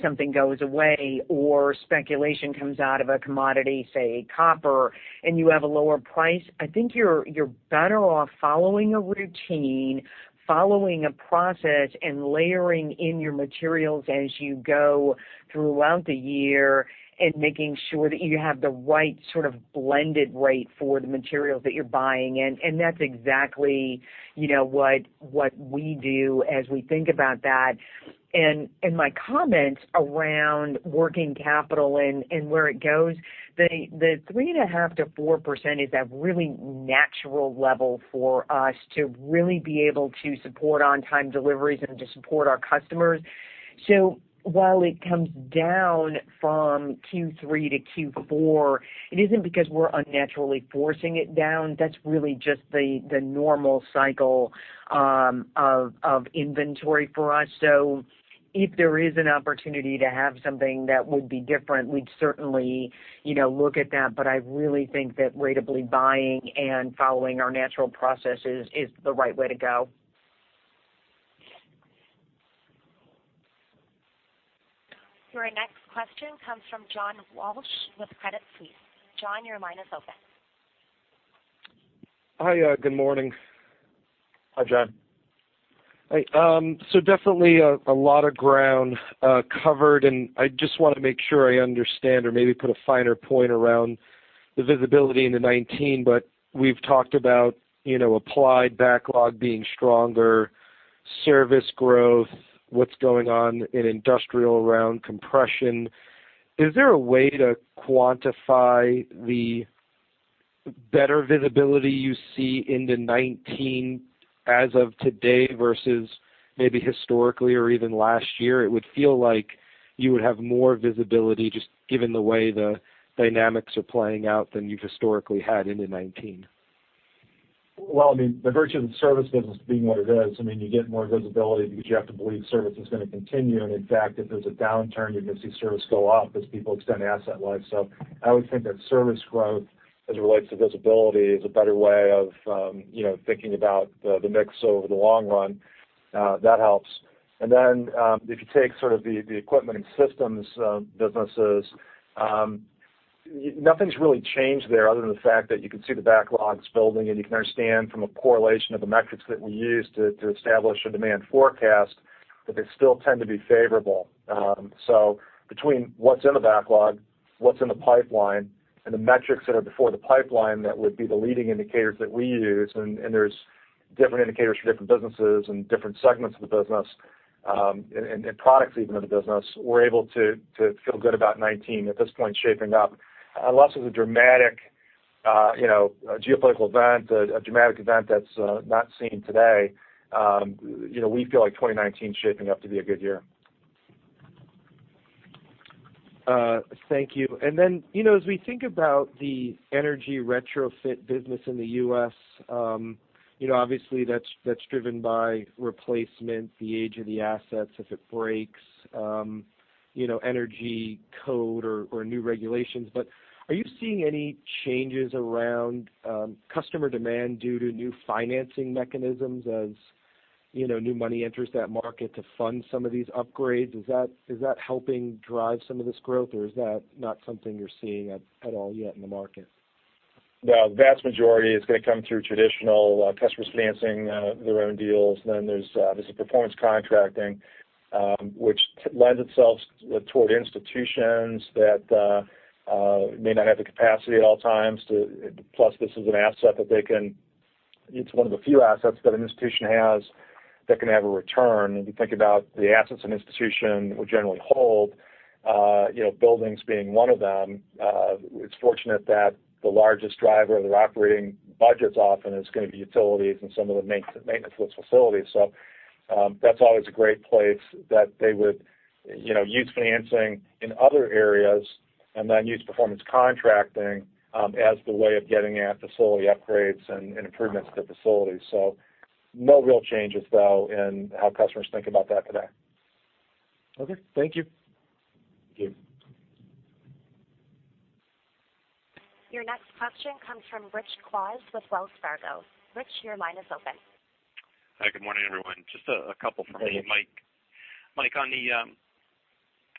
something goes away or speculation comes out of a commodity, say copper, and you have a lower price. I think you're better off following a routine, following a process, and layering in your materials as you go throughout the year, and making sure that you have the right sort of blended rate for the materials that you're buying. That's exactly what we do as we think about that. My comments around working capital and where it goes, the 3.5%-4% is that really natural level for us to really be able to support on-time deliveries and to support our customers. While it comes down from Q3 to Q4, it isn't because we're unnaturally forcing it down. That's really just the normal cycle of inventory for us. If there is an opportunity to have something that would be different, we'd certainly look at that. I really think that ratably buying and following our natural process is the right way to go. Your next question comes from John Walsh with Credit Suisse. John, your line is open. Hi, good morning. Hi, John. Hi. Definitely a lot of ground covered, and I just want to make sure I understand or maybe put a finer point around the visibility into 2019. We've talked about applied backlog being stronger, service growth, what's going on in industrial around compression. Is there a way to quantify the better visibility you see into 2019 as of today versus maybe historically or even last year? It would feel like you would have more visibility, just given the way the dynamics are playing out than you've historically had into 2019. I mean, the virtue of the service business being what it is, I mean, you get more visibility because you have to believe service is going to continue. In fact, if there's a downturn, you're going to see service go up as people extend asset life. I would think that service growth as it relates to visibility is a better way of thinking about the mix over the long run. That helps. If you take sort of the equipment and systems businesses, nothing's really changed there other than the fact that you can see the backlogs building and you can understand from a correlation of the metrics that we use to establish a demand forecast. They still tend to be favorable. Between what's in the backlog, what's in the pipeline, and the metrics that are before the pipeline, that would be the leading indicators that we use. There's different indicators for different businesses and different segments of the business, and products even of the business. We're able to feel good about 2019 at this point shaping up. Unless there's a dramatic geopolitical event, a dramatic event that's not seen today, we feel like 2019 is shaping up to be a good year. Thank you. As we think about the energy retrofit business in the U.S., obviously that's driven by replacement, the age of the assets, if it breaks, energy code or new regulations. Are you seeing any changes around customer demand due to new financing mechanisms as new money enters that market to fund some of these upgrades? Is that helping drive some of this growth, or is that not something you're seeing at all yet in the market? Well, the vast majority is going to come through traditional customers financing their own deals. There's performance contracting, which lends itself toward institutions that may not have the capacity at all times. Plus, this is an asset that It's one of the few assets that an institution has that can have a return. If you think about the assets an institution would generally hold, buildings being one of them, it's fortunate that the largest driver of their operating budgets often is going to be utilities and some of the maintenance of those facilities. That's always a great place that they would use financing in other areas, use performance contracting as the way of getting at facility upgrades and improvements to facilities. No real changes, though, in how customers think about that today. Okay. Thank you. Thank you. Your next question comes from Rich Kwas with Wells Fargo. Rich, your line is open. Hi, good morning, everyone. Just a couple from me and Mike. Mike, on the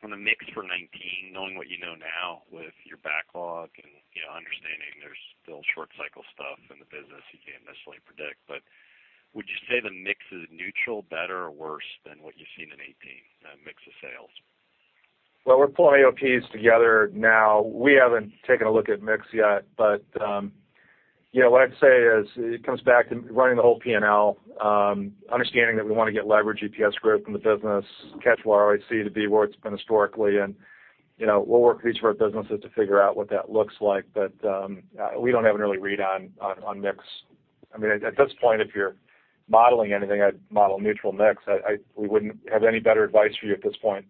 mix for 2019, knowing what you know now with your backlog and understanding there's still short cycle stuff in the business you can't necessarily predict, would you say the mix is neutral, better, or worse than what you've seen in 2018, mix of sales? Well, we're pulling OAPs together now. We haven't taken a look at mix yet, what I'd say is it comes back to running the whole P&L, understanding that we want to get leverage at PS Group in the business, catch ROIC to be where it's been historically. We'll work with each of our businesses to figure out what that looks like. We don't have a early read on mix. At this point, if you're modeling anything, I'd model neutral mix. We wouldn't have any better advice for you at this point.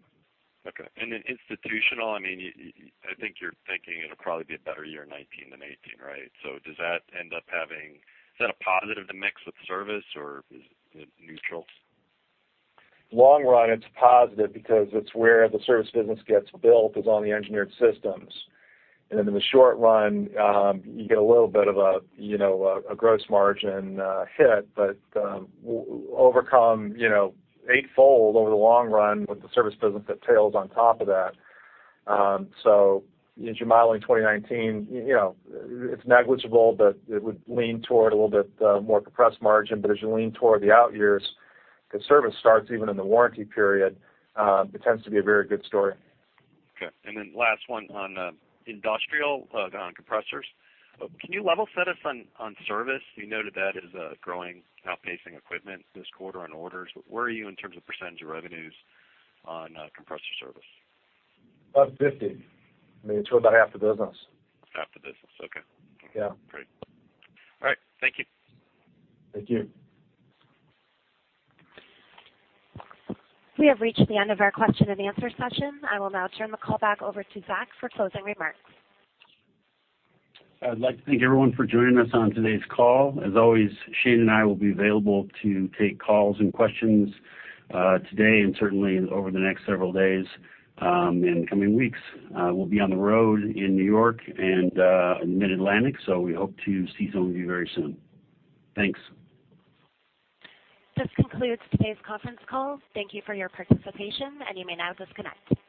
In institutional, I think you're thinking it'll probably be a better year in 2019 than 2018, right? Is that a positive to mix with service, or is it neutral? Long run, it's positive because it's where the service business gets built is on the engineered systems. In the short run, you get a little bit of a gross margin hit. Overcome eightfold over the long run with the service business that tails on top of that. As you're modeling 2019, it's negligible, but it would lean toward a little bit more compressed margin. As you lean toward the out years, because service starts even in the warranty period, it tends to be a very good story. Okay. Last one on industrial, on compressors. Can you level set us on service? You noted that as growing, outpacing equipment this quarter on orders. Where are you in terms of percentage of revenues on compressor service? About 50. About half the business. Half the business. Okay. Yeah. Great. All right. Thank you. Thank you. We have reached the end of our question and answer session. I will now turn the call back over to Zac for closing remarks. I'd like to thank everyone for joining us on today's call. As always, Shane and I will be available to take calls and questions today and certainly over the next several days and coming weeks. We'll be on the road in New York and Mid-Atlantic, so we hope to see some of you very soon. Thanks. This concludes today's conference call. Thank you for your participation, and you may now disconnect.